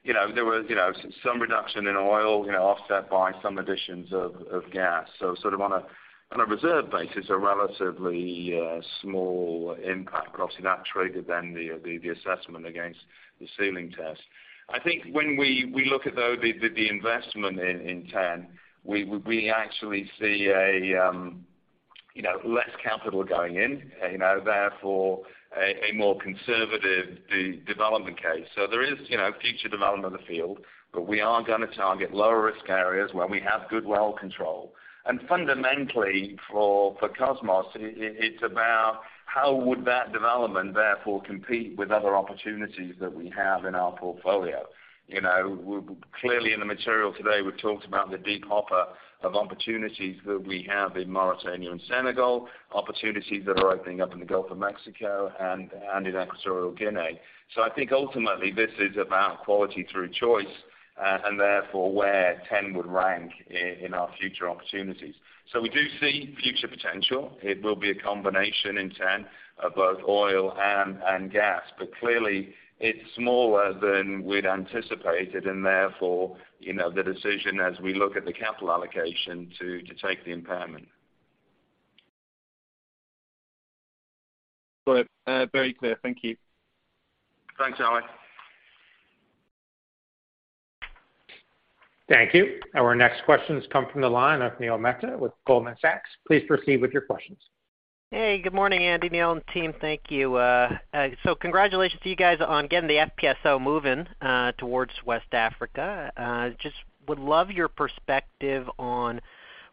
You know, there was, you know, some reduction in oil, you know, offset by some additions of gas. Sort of on a, on a reserve basis, a relatively small impact. Obviously, that triggered then the, the assessment against the ceiling test. I think when we look at, though, the investment in TEN, we actually see a, you know, less capital going in, and you know, therefore a more conservative de-development case. There is, you know, future development of the field, but we are gonna target lower risk areas where we have good well control. Fundamentally for Kosmos, it's about how would that development therefore compete with other opportunities that we have in our portfolio. You know, clearly in the material today, we've talked about the deep hopper of opportunities that we have in Mauritania and Senegal, opportunities that are opening up in the Gulf of Mexico and in Equatorial Guinea. I think ultimately this is about quality through choice, and therefore where TEN would rank in our future opportunities. We do see future potential. It will be a combination in TEN of both oil and gas. Clearly it's smaller than we'd anticipated and therefore, you know, the decision as we look at the capital allocation to take the impairment. Good. very clear. Thank you. Thanks, Alex. Thank you. Our next question comes from the line of Neil Mehta with Goldman Sachs. Please proceed with your questions. Hey, good morning, Andy, Neil, and team. Thank you. Congratulations to you guys on getting the FPSO moving towards West Africa. Just would love your perspective on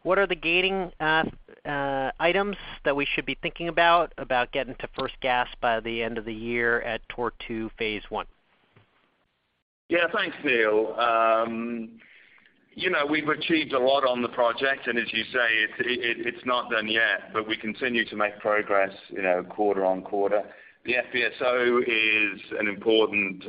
what are the gating items that we should be thinking about getting to first gas by the end of the year at Tortue phase I? Yeah, thanks, Neil. You know, we've achieved a lot on the project, and as you say, it's not done yet, but we continue to make progress, you know, quarter on quarter. The FPSO is an important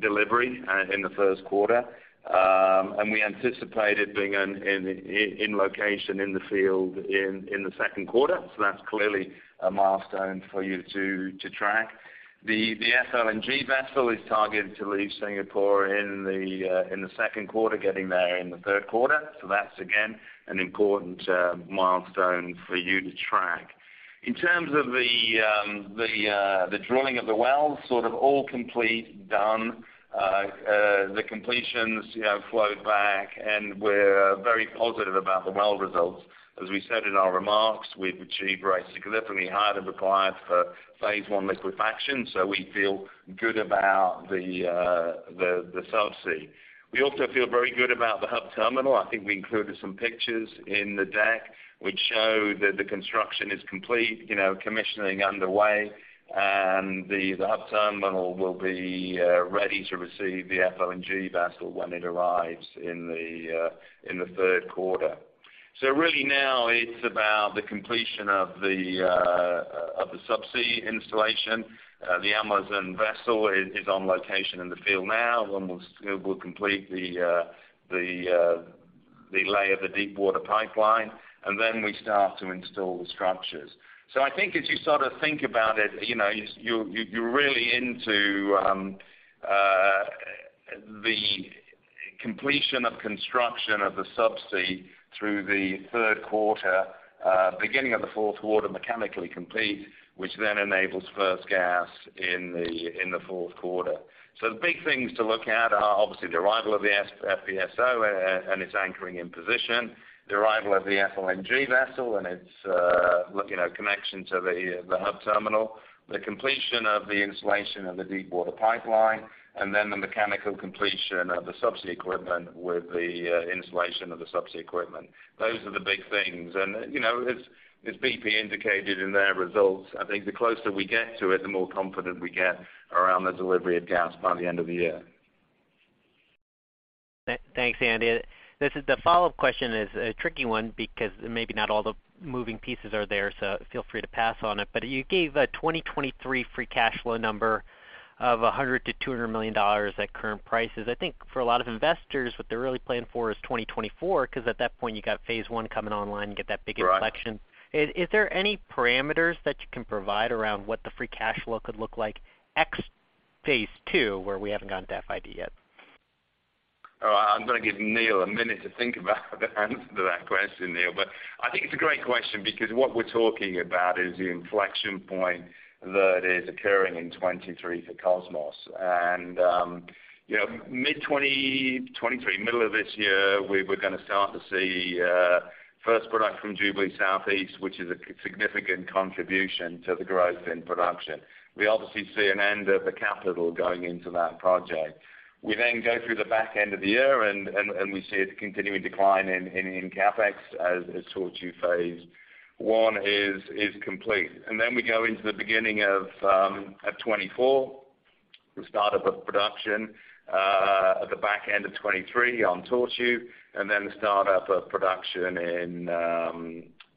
delivery in the first quarter. We anticipate it being in location in the field in the second quarter. That's clearly a milestone for you to track. The FLNG vessel is targeted to leave Singapore in the second quarter, getting there in the third quarter. That's again, an important milestone for you to track. In terms of the drilling of the wells, sort of all complete, done. The completions, you know, flow back, and we're very positive about the well results. As we said in our remarks, we've achieved rates significantly higher than required for phase I liquefaction. We feel good about the subsea. We also feel very good about the hub terminal. I think we included some pictures in the deck which show that the construction is complete, you know, commissioning underway. The hub terminal will be ready to receive the FLNG vessel when it arrives in the third quarter. Really now it's about the completion of the subsea installation. The Amazon vessel is on location in the field now, and we'll complete the lay of the deep water pipeline, and then we start to install the structures. I think as you sort of think about it, you know, you're really into the completion of construction of the subsea through the third quarter, beginning of the fourth quarter, mechanically complete, which then enables first gas in the fourth quarter. The big things to look at are obviously the arrival of the FPSO and its anchoring in position, the arrival of the FLNG vessel and its, you know, connection to the hub terminal, the completion of the installation of the deep water pipeline, and then the mechanical completion of the subsea equipment with the installation of the subsea equipment. Those are the big things. You know, as BP indicated in their results, I think the closer we get to it, the more confident we get around the delivery of gas by the end of the year. Thanks, Andy. This is the follow-up question is a tricky one because maybe not all the moving pieces are there, so feel free to pass on it. You gave a 2023 free cash flow number of $100 million to $200 million at current prices. I think for a lot of investors, what they're really planning for is 2024, because at that point you got phase I coming online, you get that big inflection. Right. Is there any parameters that you can provide around what the free cash flow could look like X phase II, where we haven't gotten to FID yet? All right. I'm gonna give Neal a minute to think about the answer to that question, Neal. I think it's a great question because what we're talking about is the inflection point that is occurring in 2023 for Kosmos. You know, mid-2023, middle of this year, we're gonna start to see first product from Jubilee Southeast, which is a significant contribution to the growth in production. We obviously see an end of the capital going into that project. We go through the back end of the year and we see a continuing decline in CapEx as Tortue phase I is complete. We go into the beginning of 2024. We start up a production at the back end of 2023 on Tortue, then the start up of production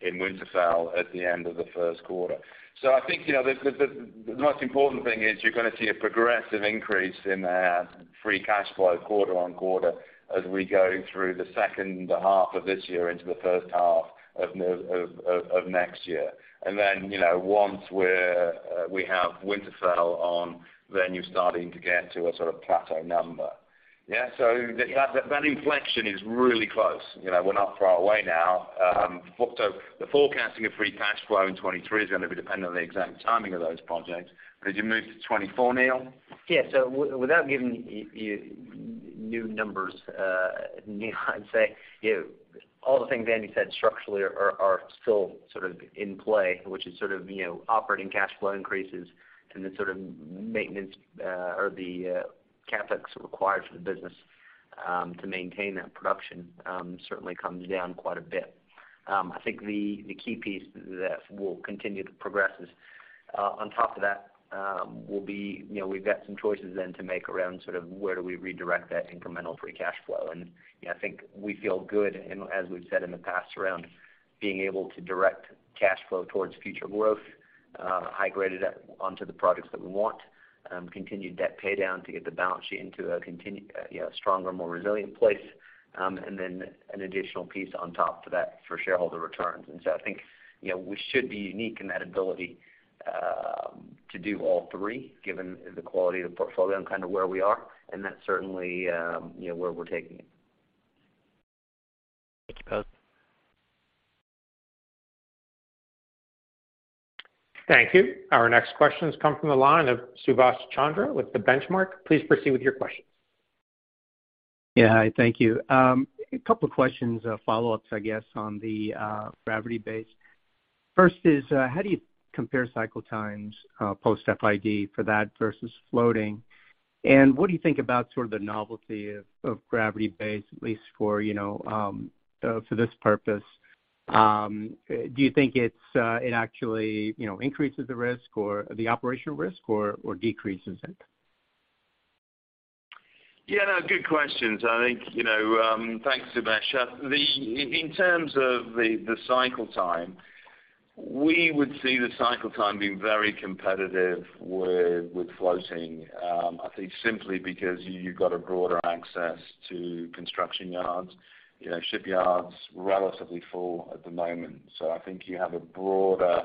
in Winterfell at the end of the first quarter. I think, you know, the most important thing is you're gonna see a progressive increase in our free cash flow quarter on quarter as we go through the second half of this year into the first half of next year. You know, once we're, we have Winterfell on, then you're starting to get to a sort of plateau number. That inflection is really close. You know, we're not far away now. The forecasting of free cash flow in 2023 is gonna be dependent on the exact timing of those projects. Could you move to 2024, Neal? Yeah. Without giving you new numbers, I'd say. All the things Andy said structurally are still sort of in play, which is sort of, you know, operating cash flow increases and the sort of maintenance, or the CapEx required for the business, to maintain that production, certainly comes down quite a bit. I think the key piece that will continue to progress is on top of that will be, you know, we've got some choices then to make around sort of where do we redirect that incremental free cash flow. You know, I think we feel good, and as we've said in the past around being able to direct cash flow towards future growth, high graded onto the projects that we want, continued debt pay down to get the balance sheet into a, you know, stronger, more resilient place, and then an additional piece on top to that for shareholder returns. I think, you know, we should be unique in that ability, to do all three, given the quality of the portfolio and kind of where we are. That's certainly, you know, where we're taking it. Thank you, both. Thank you. Our next question comes from the line of Subash Chandra with The Benchmark. Please proceed with your questions. Yeah. Thank you. A couple of questions or follow-ups, I guess, on the gravity base. First is, how do you compare cycle times post FID for that versus floating? What do you think about sort of the novelty of gravity base, at least for, you know, for this purpose? Do you think it's it actually, you know, increases the risk or the operational risk or decreases it? No, good questions. I think, you know, thanks, Subash. In terms of the cycle time, we would see the cycle time being very competitive with floating, I think simply because you've got a broader access to construction yards. You know, shipyards, relatively full at the moment. I think you have a broader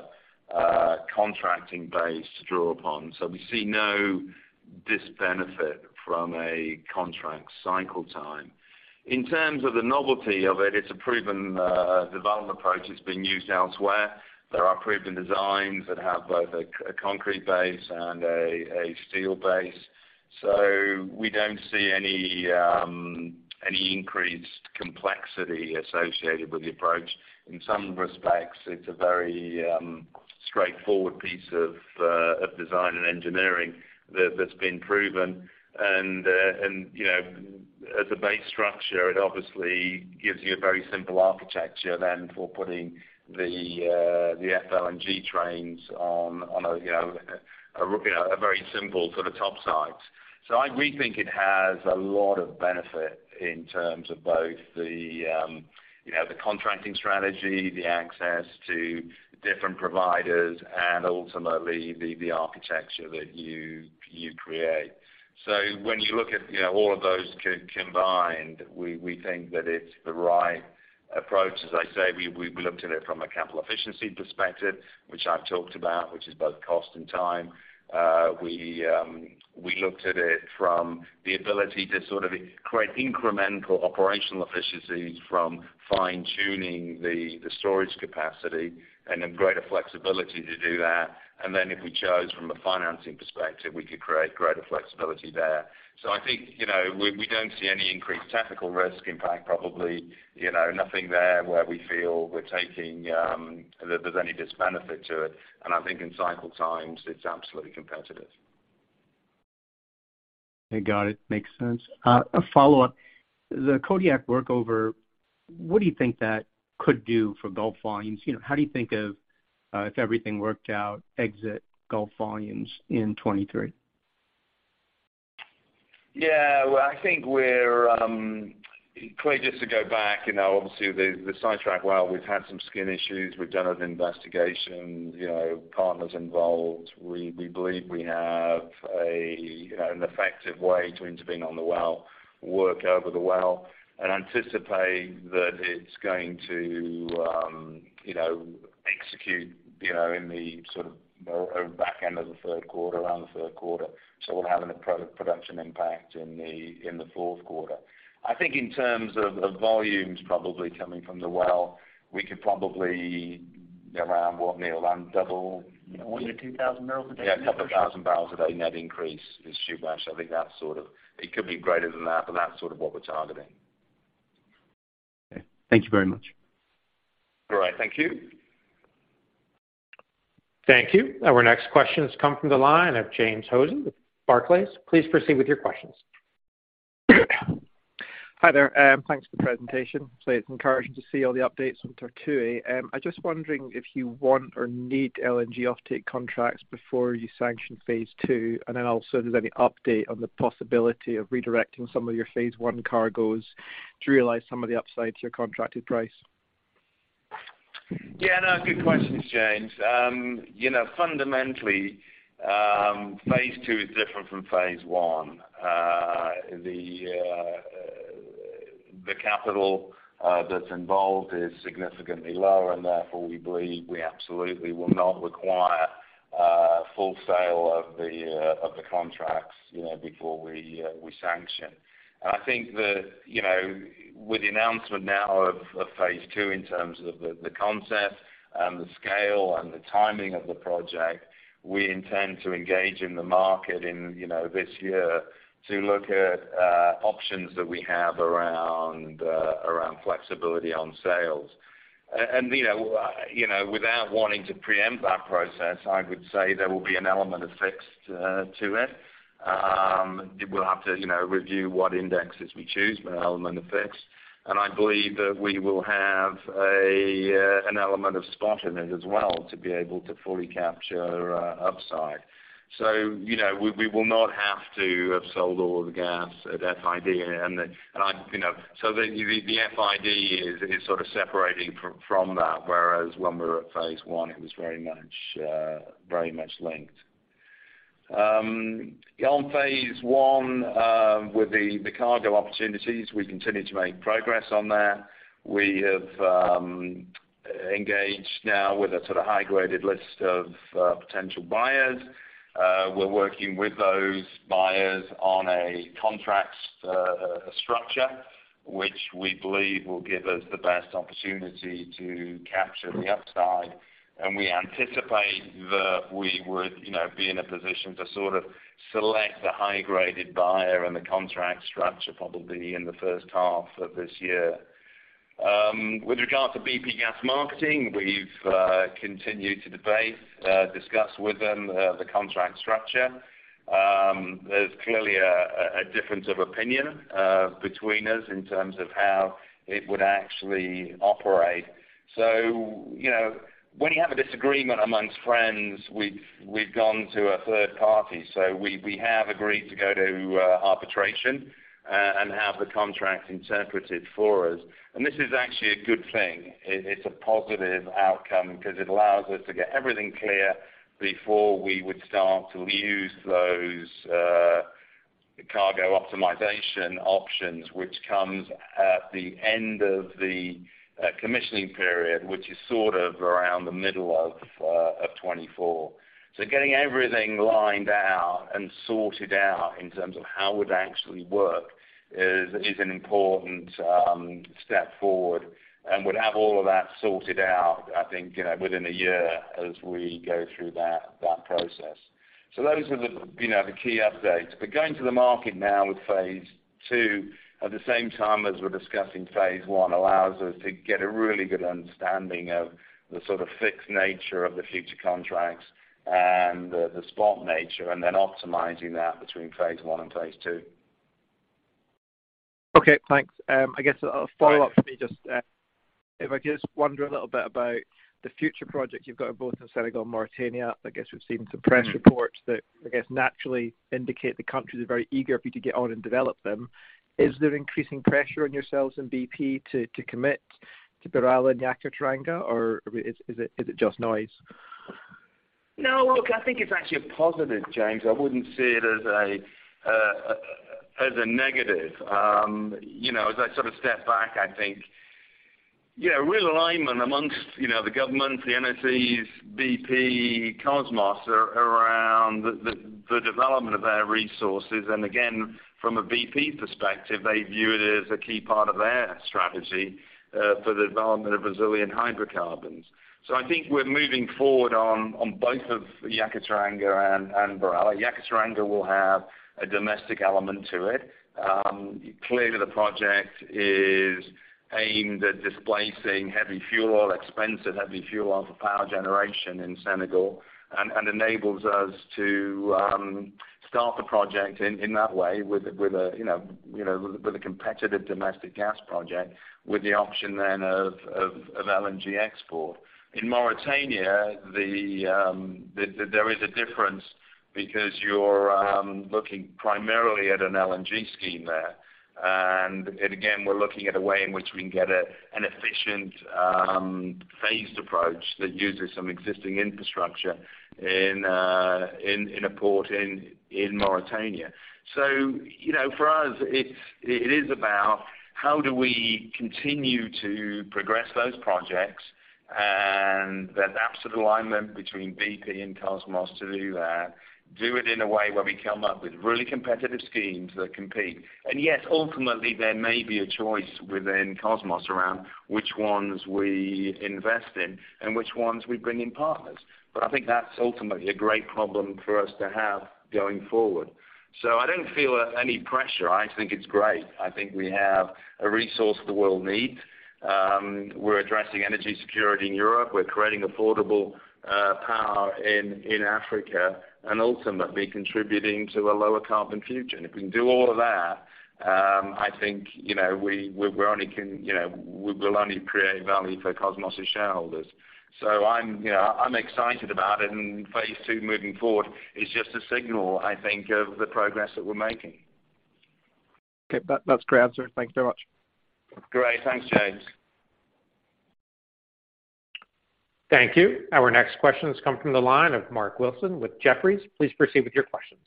contracting base to draw upon. We see no disbenefit from a contract cycle time. In terms of the novelty of it's a proven development approach. It's been used elsewhere. There are proven designs that have both a concrete base and a steel base. We don't see any increased complexity associated with the approach. In some respects, it's a very straightforward piece of design and engineering that's been proven. And, you know, as a base structure, it obviously gives you a very simple architecture then for putting the FLNG trains on a, you know, a, you know, a very simple sort of top site. We think it has a lot of benefit in terms of both the, you know, the contracting strategy, the access to different providers, and ultimately the architecture that you create. When you look at, you know, all of those combined, we think that it's the right approach. As I say, we've looked at it from a capital efficiency perspective, which I've talked about, which is both cost and time. We looked at it from the ability to sort of create incremental operational efficiencies from fine-tuning the storage capacity and have greater flexibility to do that. If we chose from a financing perspective, we could create greater flexibility there. I think, you know, we don't see any increased technical risk. In fact, probably, you know, nothing there where we feel we're taking that there's any disbenefit to it. I think in cycle times, it's absolutely competitive. Okay. Got it. Makes sense. a follow-up. The Kodiak workover, what do you think that could do for Gulf volumes? You know, how do you think of, if everything worked out, exit Gulf volumes in 2023? Well, I think we're clearly, just to go back, you know, obviously, the Sidetrack Well, we've had some skin issues. We've done an investigation, you know, partners involved. We believe we have a, you know, an effective way to intervene on the well, work over the well, and anticipate that it's going to, you know, execute, you know, in the sort of back end of the third quarter, around the third quarter. We'll have a production impact in the fourth quarter. I think in terms of volumes probably coming from the well, we could probably around what, Neil, around double- 1 bbl to 2,000 bbl a day. Yeah, a couple of thousand barrels a day net increase is Subash. I think that's sort of. It could be greater than that, but that's sort of what we're targeting. Okay. Thank you very much. All right. Thank you. Thank you. Our next question comes from the line of James Hosie with Barclays. Please proceed with your questions. Hi there. Thanks for the presentation. It's encouraging to see all the updates on Tortue. I'm just wondering if you want or need LNG offtake contracts before you sanction phase II? Also, there's any update on the possibility of redirecting some of your phase I cargoes to realize some of the upside to your contracted price? Yeah. No, good questions, James. You know, fundamentally, phase II is different from phase I. The capital that's involved is significantly lower, and therefore, we believe we absolutely will not require full sale of the contracts, you know, before we sanction. I think that, you know. With the announcement now of phase II in terms of the concept and the scale and the timing of the project, we intend to engage in the market in, you know, this year to look at options that we have around flexibility on sales. You know, without wanting to preempt that process, I would say there will be an element of fixed to it. We'll have to, you know, review what indexes we choose for an element of fixed. I believe that we will have an element of spot in it as well to be able to fully capture upside. You know, we will not have to have sold all the gas at FID. I'm, you know, the FID is sort of separating from that, whereas when we were at phase I, it was very much linked. On phase I, with the cargo opportunities, we continue to make progress on there. We have engaged now with a sort of high-graded list of potential buyers. We're working with those buyers on a contract structure, which we believe will give us the best opportunity to capture the upside. We anticipate that we would, you know, be in a position to sort of select the high-graded buyer and the contract structure probably in the first half of this year. With regard to BP Gas Marketing, we've continued to debate, discuss with them, the contract structure. There's clearly a difference of opinion between us in terms of how it would actually operate. You know, when you have a disagreement amongst friends, we've gone to a third party. We have agreed to go to arbitration and have the contract interpreted for us. This is actually a good thing. It's a positive outcome because it allows us to get everything clear before we would start to use those cargo optimization options, which comes at the end of the commissioning period, which is sort of around the middle of 2024. Getting everything lined out and sorted out in terms of how it would actually work is an important step forward. We'd have all of that sorted out, I think, you know, within a year as we go through that process. Those are the, you know, the key updates. Going to the market now with phase II at the same time as we're discussing phase I allows us to get a really good understanding of the sort of fixed nature of the future contracts and the spot nature, and then optimizing that between phase I and phase II. Okay, thanks. I guess a follow-up for me just if I could just wonder a little bit about the future projects you've got both in Senegal and Mauritania. I guess we've seen some press reports that, I guess, naturally indicate the countries are very eager for you to get on and develop them. Is there increasing pressure on yourselves and BP to commit to BirAllah and Yakaar-Teranga, or is it just noise? Look, I think it's actually a positive, James. I wouldn't see it as a negative. you know, as I sort of step back, I think, yeah, real alignment amongst, you know, the government, the NOCs, BP, Kosmos around the development of their resources. Again, from a BP perspective, they view it as a key part of their strategy for the development of Brazilian hydrocarbons. I think we're moving forward on both of Yakaar-Teranga and BirAllah. Yakaar-Teranga will have a domestic element to it. Clearly the project is aimed at displacing heavy fuel oil, expensive heavy fuel oil for power generation in Senegal and enables us to start the project in that way with a, you know, with a competitive domestic gas project with the option then of LNG export. In Mauritania, the, there is a difference because you're looking primarily at an LNG scheme there. Again, we're looking at a way in which we can get an efficient, phased approach that uses some existing infrastructure in a port in Mauritania. You know, for us, it is about how do we continue to progress those projects and there's absolute alignment between BP and Kosmos to do that. Do it in a way where we come up with really competitive schemes that compete. Yes, ultimately, there may be a choice within Kosmos around which ones we invest in and which ones we bring in partners. I think that's ultimately a great problem for us to have going forward. I don't feel any pressure. I think it's great. I think we have a resource the world needs. We're addressing energy security in Europe. We're creating affordable power in Africa and ultimately contributing to a lower carbon future. If we can do all of that, I think, you know, we will only create value for Kosmos' shareholders. I'm, you know, I'm excited about it. Phase II moving forward is just a signal, I think, of the progress that we're making. Okay. That's clear, sir. Thank you very much. Great. Thanks, James. Thank you. Our next question has come from the line of Mark Wilson with Jefferies. Please proceed with your questions.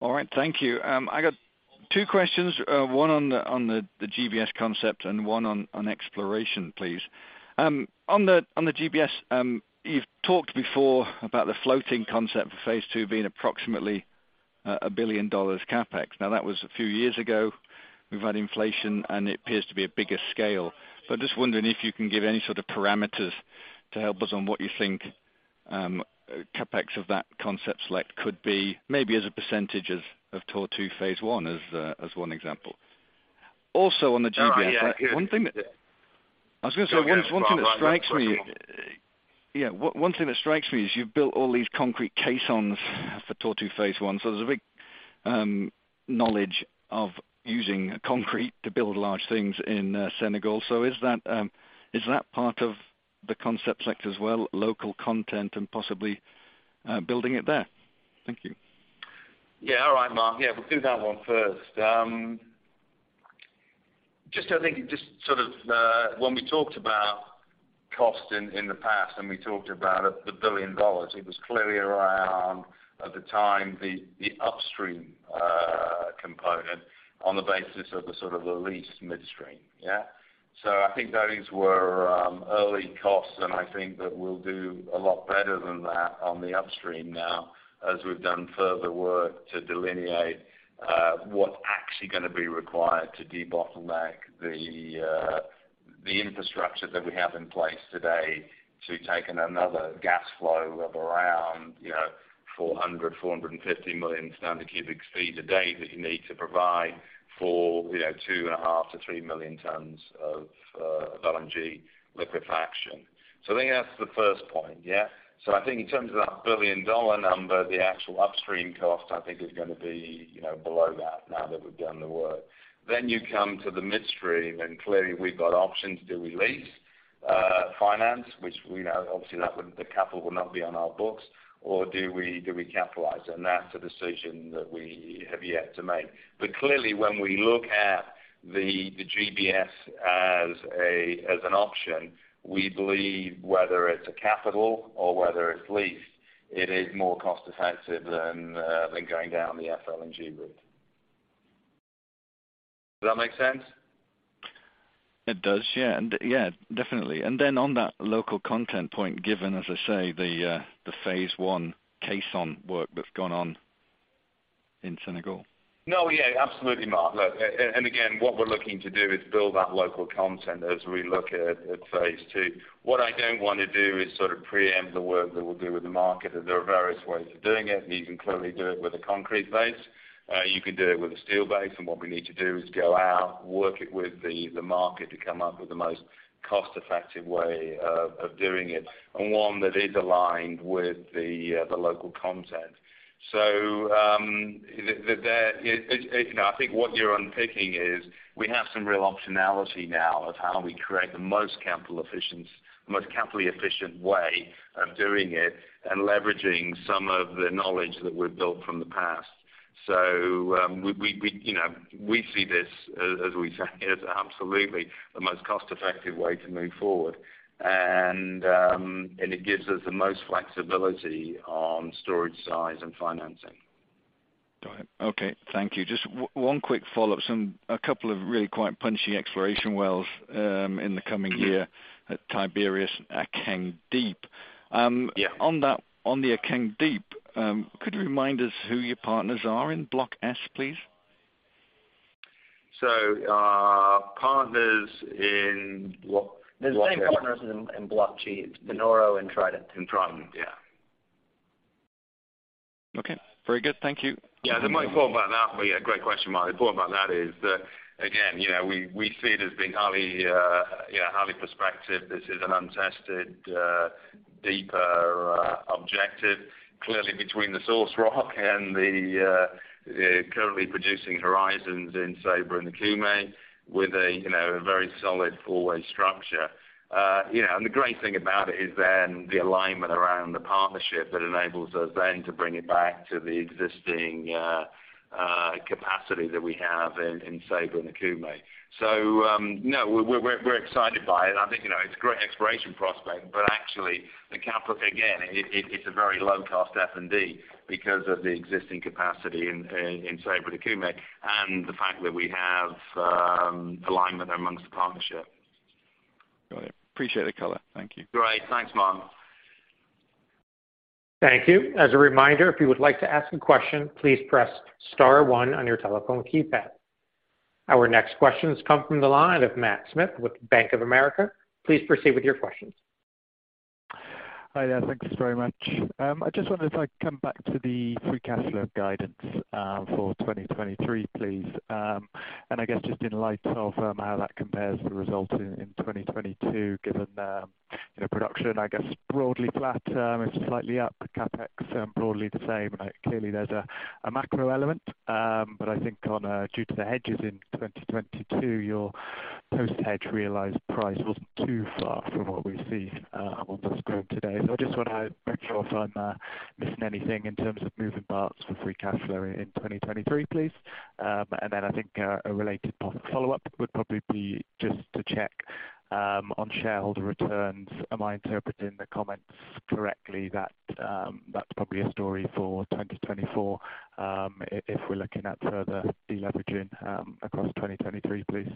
All right, thank you. I got two questions, one on the GBS concept and one on exploration, please. On the GBS, you've talked before about the floating concept for phase II being approximately $1 billion CapEx. Now that was a few years ago. We've had inflation, and it appears to be a bigger scale. I'm just wondering if you can give any sort of parameters to help us on what you think CapEx of that concept select could be maybe as a percentage of Tortue phase I as one example. Also on the GBS- Oh, yeah. Good. One thing. Go ahead. I was gonna say, one thing that strikes me. No, go ahead. Yeah. One thing that strikes me is you've built all these concrete caissons for Tortue phase I. There's a big knowledge of using concrete to build large things in Senegal. Is that part of the concept select as well, local content and possibly building it there? Thank you. Yeah. All right, Mark. Yeah, we'll do that one first. Just I think, just sort of, when we talked about cost in the past, we talked about the $1 billion, it was clearly around, at the time, the upstream component on the basis of a sort of a lease midstream. Yeah? I think those were early costs, I think that we'll do a lot better than that on the upstream now as we've done further work to delineate what's actually going to be required to debottleneck the infrastructure that we have in place today to taking another gas flow of around, you know, 450 million cu ft a day that you need to provide for, you know, two and a half million tons to 3 million tons of LNG liquefaction. I think that's the first point, yeah? I think in terms of that billion-dollar number, the actual upstream cost I think is gonna be, you know, below that now that we've done the work. You come to the midstream, and clearly we've got options. Do we lease finance? Which we know obviously that wouldn't, the capital will not be on our books. Or do we capitalize it? That's a decision that we have yet to make. Clearly, when we look at the GBS as an option, we believe whether it's a capital or whether it's leased, it is more cost effective than going down the FLNG route. Does that make sense? It does. Yeah. Definitely. Then on that local content point, given, as I say, the phase I caisson work that's gone on in Senegal. No, yeah. Absolutely, Mark. Look, again, what we're looking to do is build that local content as we look at phase II. What I don't wanna do is sort of preempt the work that we'll do with the market, and there are various ways of doing it. You can clearly do it with a concrete base. You can do it with a steel base. What we need to do is go out, work it with the market to come up with the most cost-effective way of doing it, and one that is aligned with the local content. That there. You know, I think what you're unpicking is we have some real optionality now of how we create the most capital efficient, most capitally efficient way of doing it and leveraging some of the knowledge that we've built from the past. You know, we see this as we say, as absolutely the most cost-effective way to move forward. And it gives us the most flexibility on storage size and financing. Got it. Okay. Thank you. Just one quick follow-up. Some, a couple of really quite punchy exploration wells, in the coming year at Tiberius, Akeng Deep. Yeah. On that, on the Akeng Deep, could you remind us who your partners are in Block S, please? Partners in Block. The same partners in Block G. It's DeNovo and Trident. Trident. Yeah. Okay. Very good. Thank you. Yeah. The main point about that... Yeah. Great question, Mark. The point about that is that, again, you know, we see it as being highly prospective. This is an untested, deeper, objective clearly between the source rock and the currently producing horizons in Ceiba and Okume with a, you know, a very solid four-way structure. you know, and the great thing about it is then the alignment around the partnership that enables us then to bring it back to the existing capacity that we have in Ceiba and Okume. No, we're excited by it. I think, you know, it's great exploration prospect, but actually the capital, again, it's a very low-cost F&D because of the existing capacity in Ceiba to Okume and the fact that we have alignment amongst the partnership. Got it. Appreciate the color. Thank you. Great. Thanks, Mark. Thank you. As a reminder, if you would like to ask a question, please press star one on your telephone keypad. Our next questions come from the line of Matt Smith with Bank of America. Please proceed with your questions. Hi there. Thank you very much. I just wondered if I could come back to the free cash flow guidance for 2023, please. I guess just in light of how that compares the results in 2022, given, you know, production, I guess, broadly flat, if slightly up, the CapEx, broadly the same. Clearly there's a macro element. I think on due to the hedges in 2022, your post-hedge realized price wasn't too far from what we see on the screen today. I just wanna make sure if I'm missing anything in terms of moving parts for free cash flow in 2023, please. I think a related follow-up would probably be just to check on shareholder returns. Am I interpreting the comments correctly that's probably a story for 2024, if we're looking at further deleveraging across 2023, please?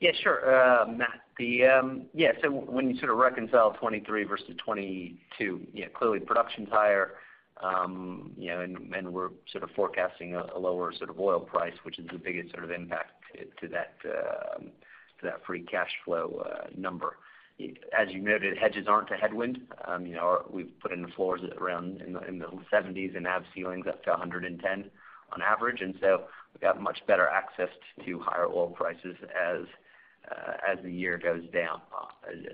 Yeah, sure. Matt, the, yeah. When you sort of reconcile 23 versus 22, yeah, clearly production's higher, you know, and we're sort of forecasting a lower sort of oil price, which is the biggest sort of impact to that free cash flow number. As you noted, hedges aren't a headwind. You know, we've put in the floors around in the $70s and have ceilings up to $110 on average. We've got much better access to higher oil prices as the year goes down,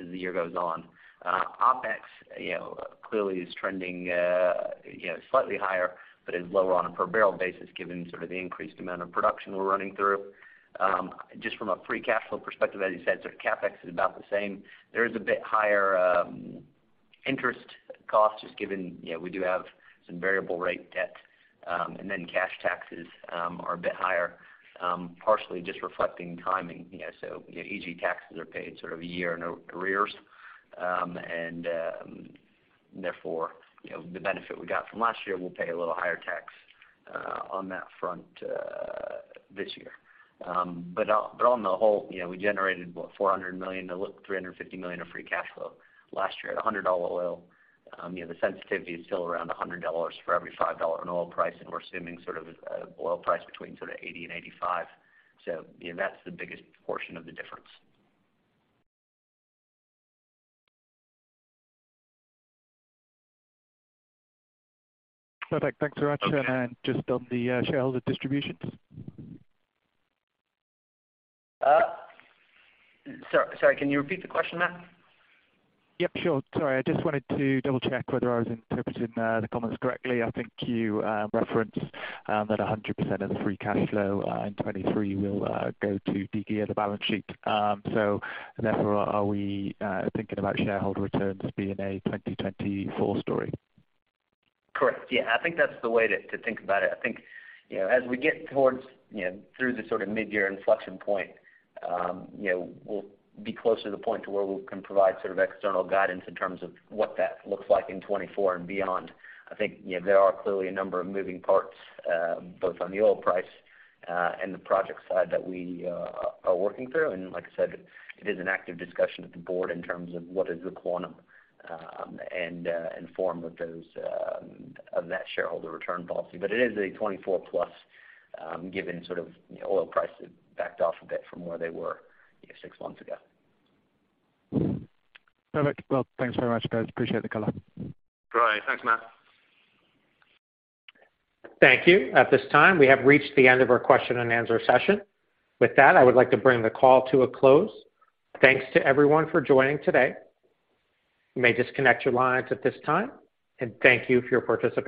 as the year goes on. OpEx, you know, clearly is trending, you know, slightly higher, but is lower on a per barrel basis given sort of the increased amount of production we're running through. Just from a free cash flow perspective, as you said, sort of CapEx is about the same. There is a bit higher interest costs just given, you know, we do have some variable rate debt. Then cash taxes are a bit higher, partially just reflecting timing. You know, you know, easy taxes are paid sort of a year in arrears. Therefore, you know, the benefit we got from last year will pay a little higher tax on that front this year. On the whole, you know, we generated, what, $400 million to look $350 million of free cash flow last year at $100 oil. You know, the sensitivity is still around $100 for every $5 in oil price. We're assuming sort of a oil price between sort of $80 and $85. You know, that's the biggest portion of the difference. Perfect. Thanks very much. Okay. Just on the shareholder distributions. sorry. Can you repeat the question, Matt? Yep, sure. Sorry. I just wanted to double-check whether I was interpreting the comments correctly. I think you referenced that 100% of the free cash flow in 2023 will go to de-gear the balance sheet. Therefore, are we thinking about shareholder returns being a 2024 story? Correct. Yeah. I think that's the way to think about it. I think, you know, as we get towards, you know, through the sort of midyear inflection point, you know, we'll be closer to the point to where we can provide sort of external guidance in terms of what that looks like in 2024 and beyond. I think, you know, there are clearly a number of moving parts, both on the oil price, and the project side that we are working through. Like I said, it is an active discussion with the board in terms of what is the quantum, and form of those, of that shareholder return policy. It is a 2024 plus, given sort of oil prices backed off a bit from where they were six months ago. Perfect. Thanks very much, guys. Appreciate the color. Great. Thanks, Matt. Thank you. At this time, we have reached the end of our question-and-answer session. With that, I would like to bring the call to a close. Thanks to everyone for joining today. You may disconnect your lines at this time, and thank you for your participation.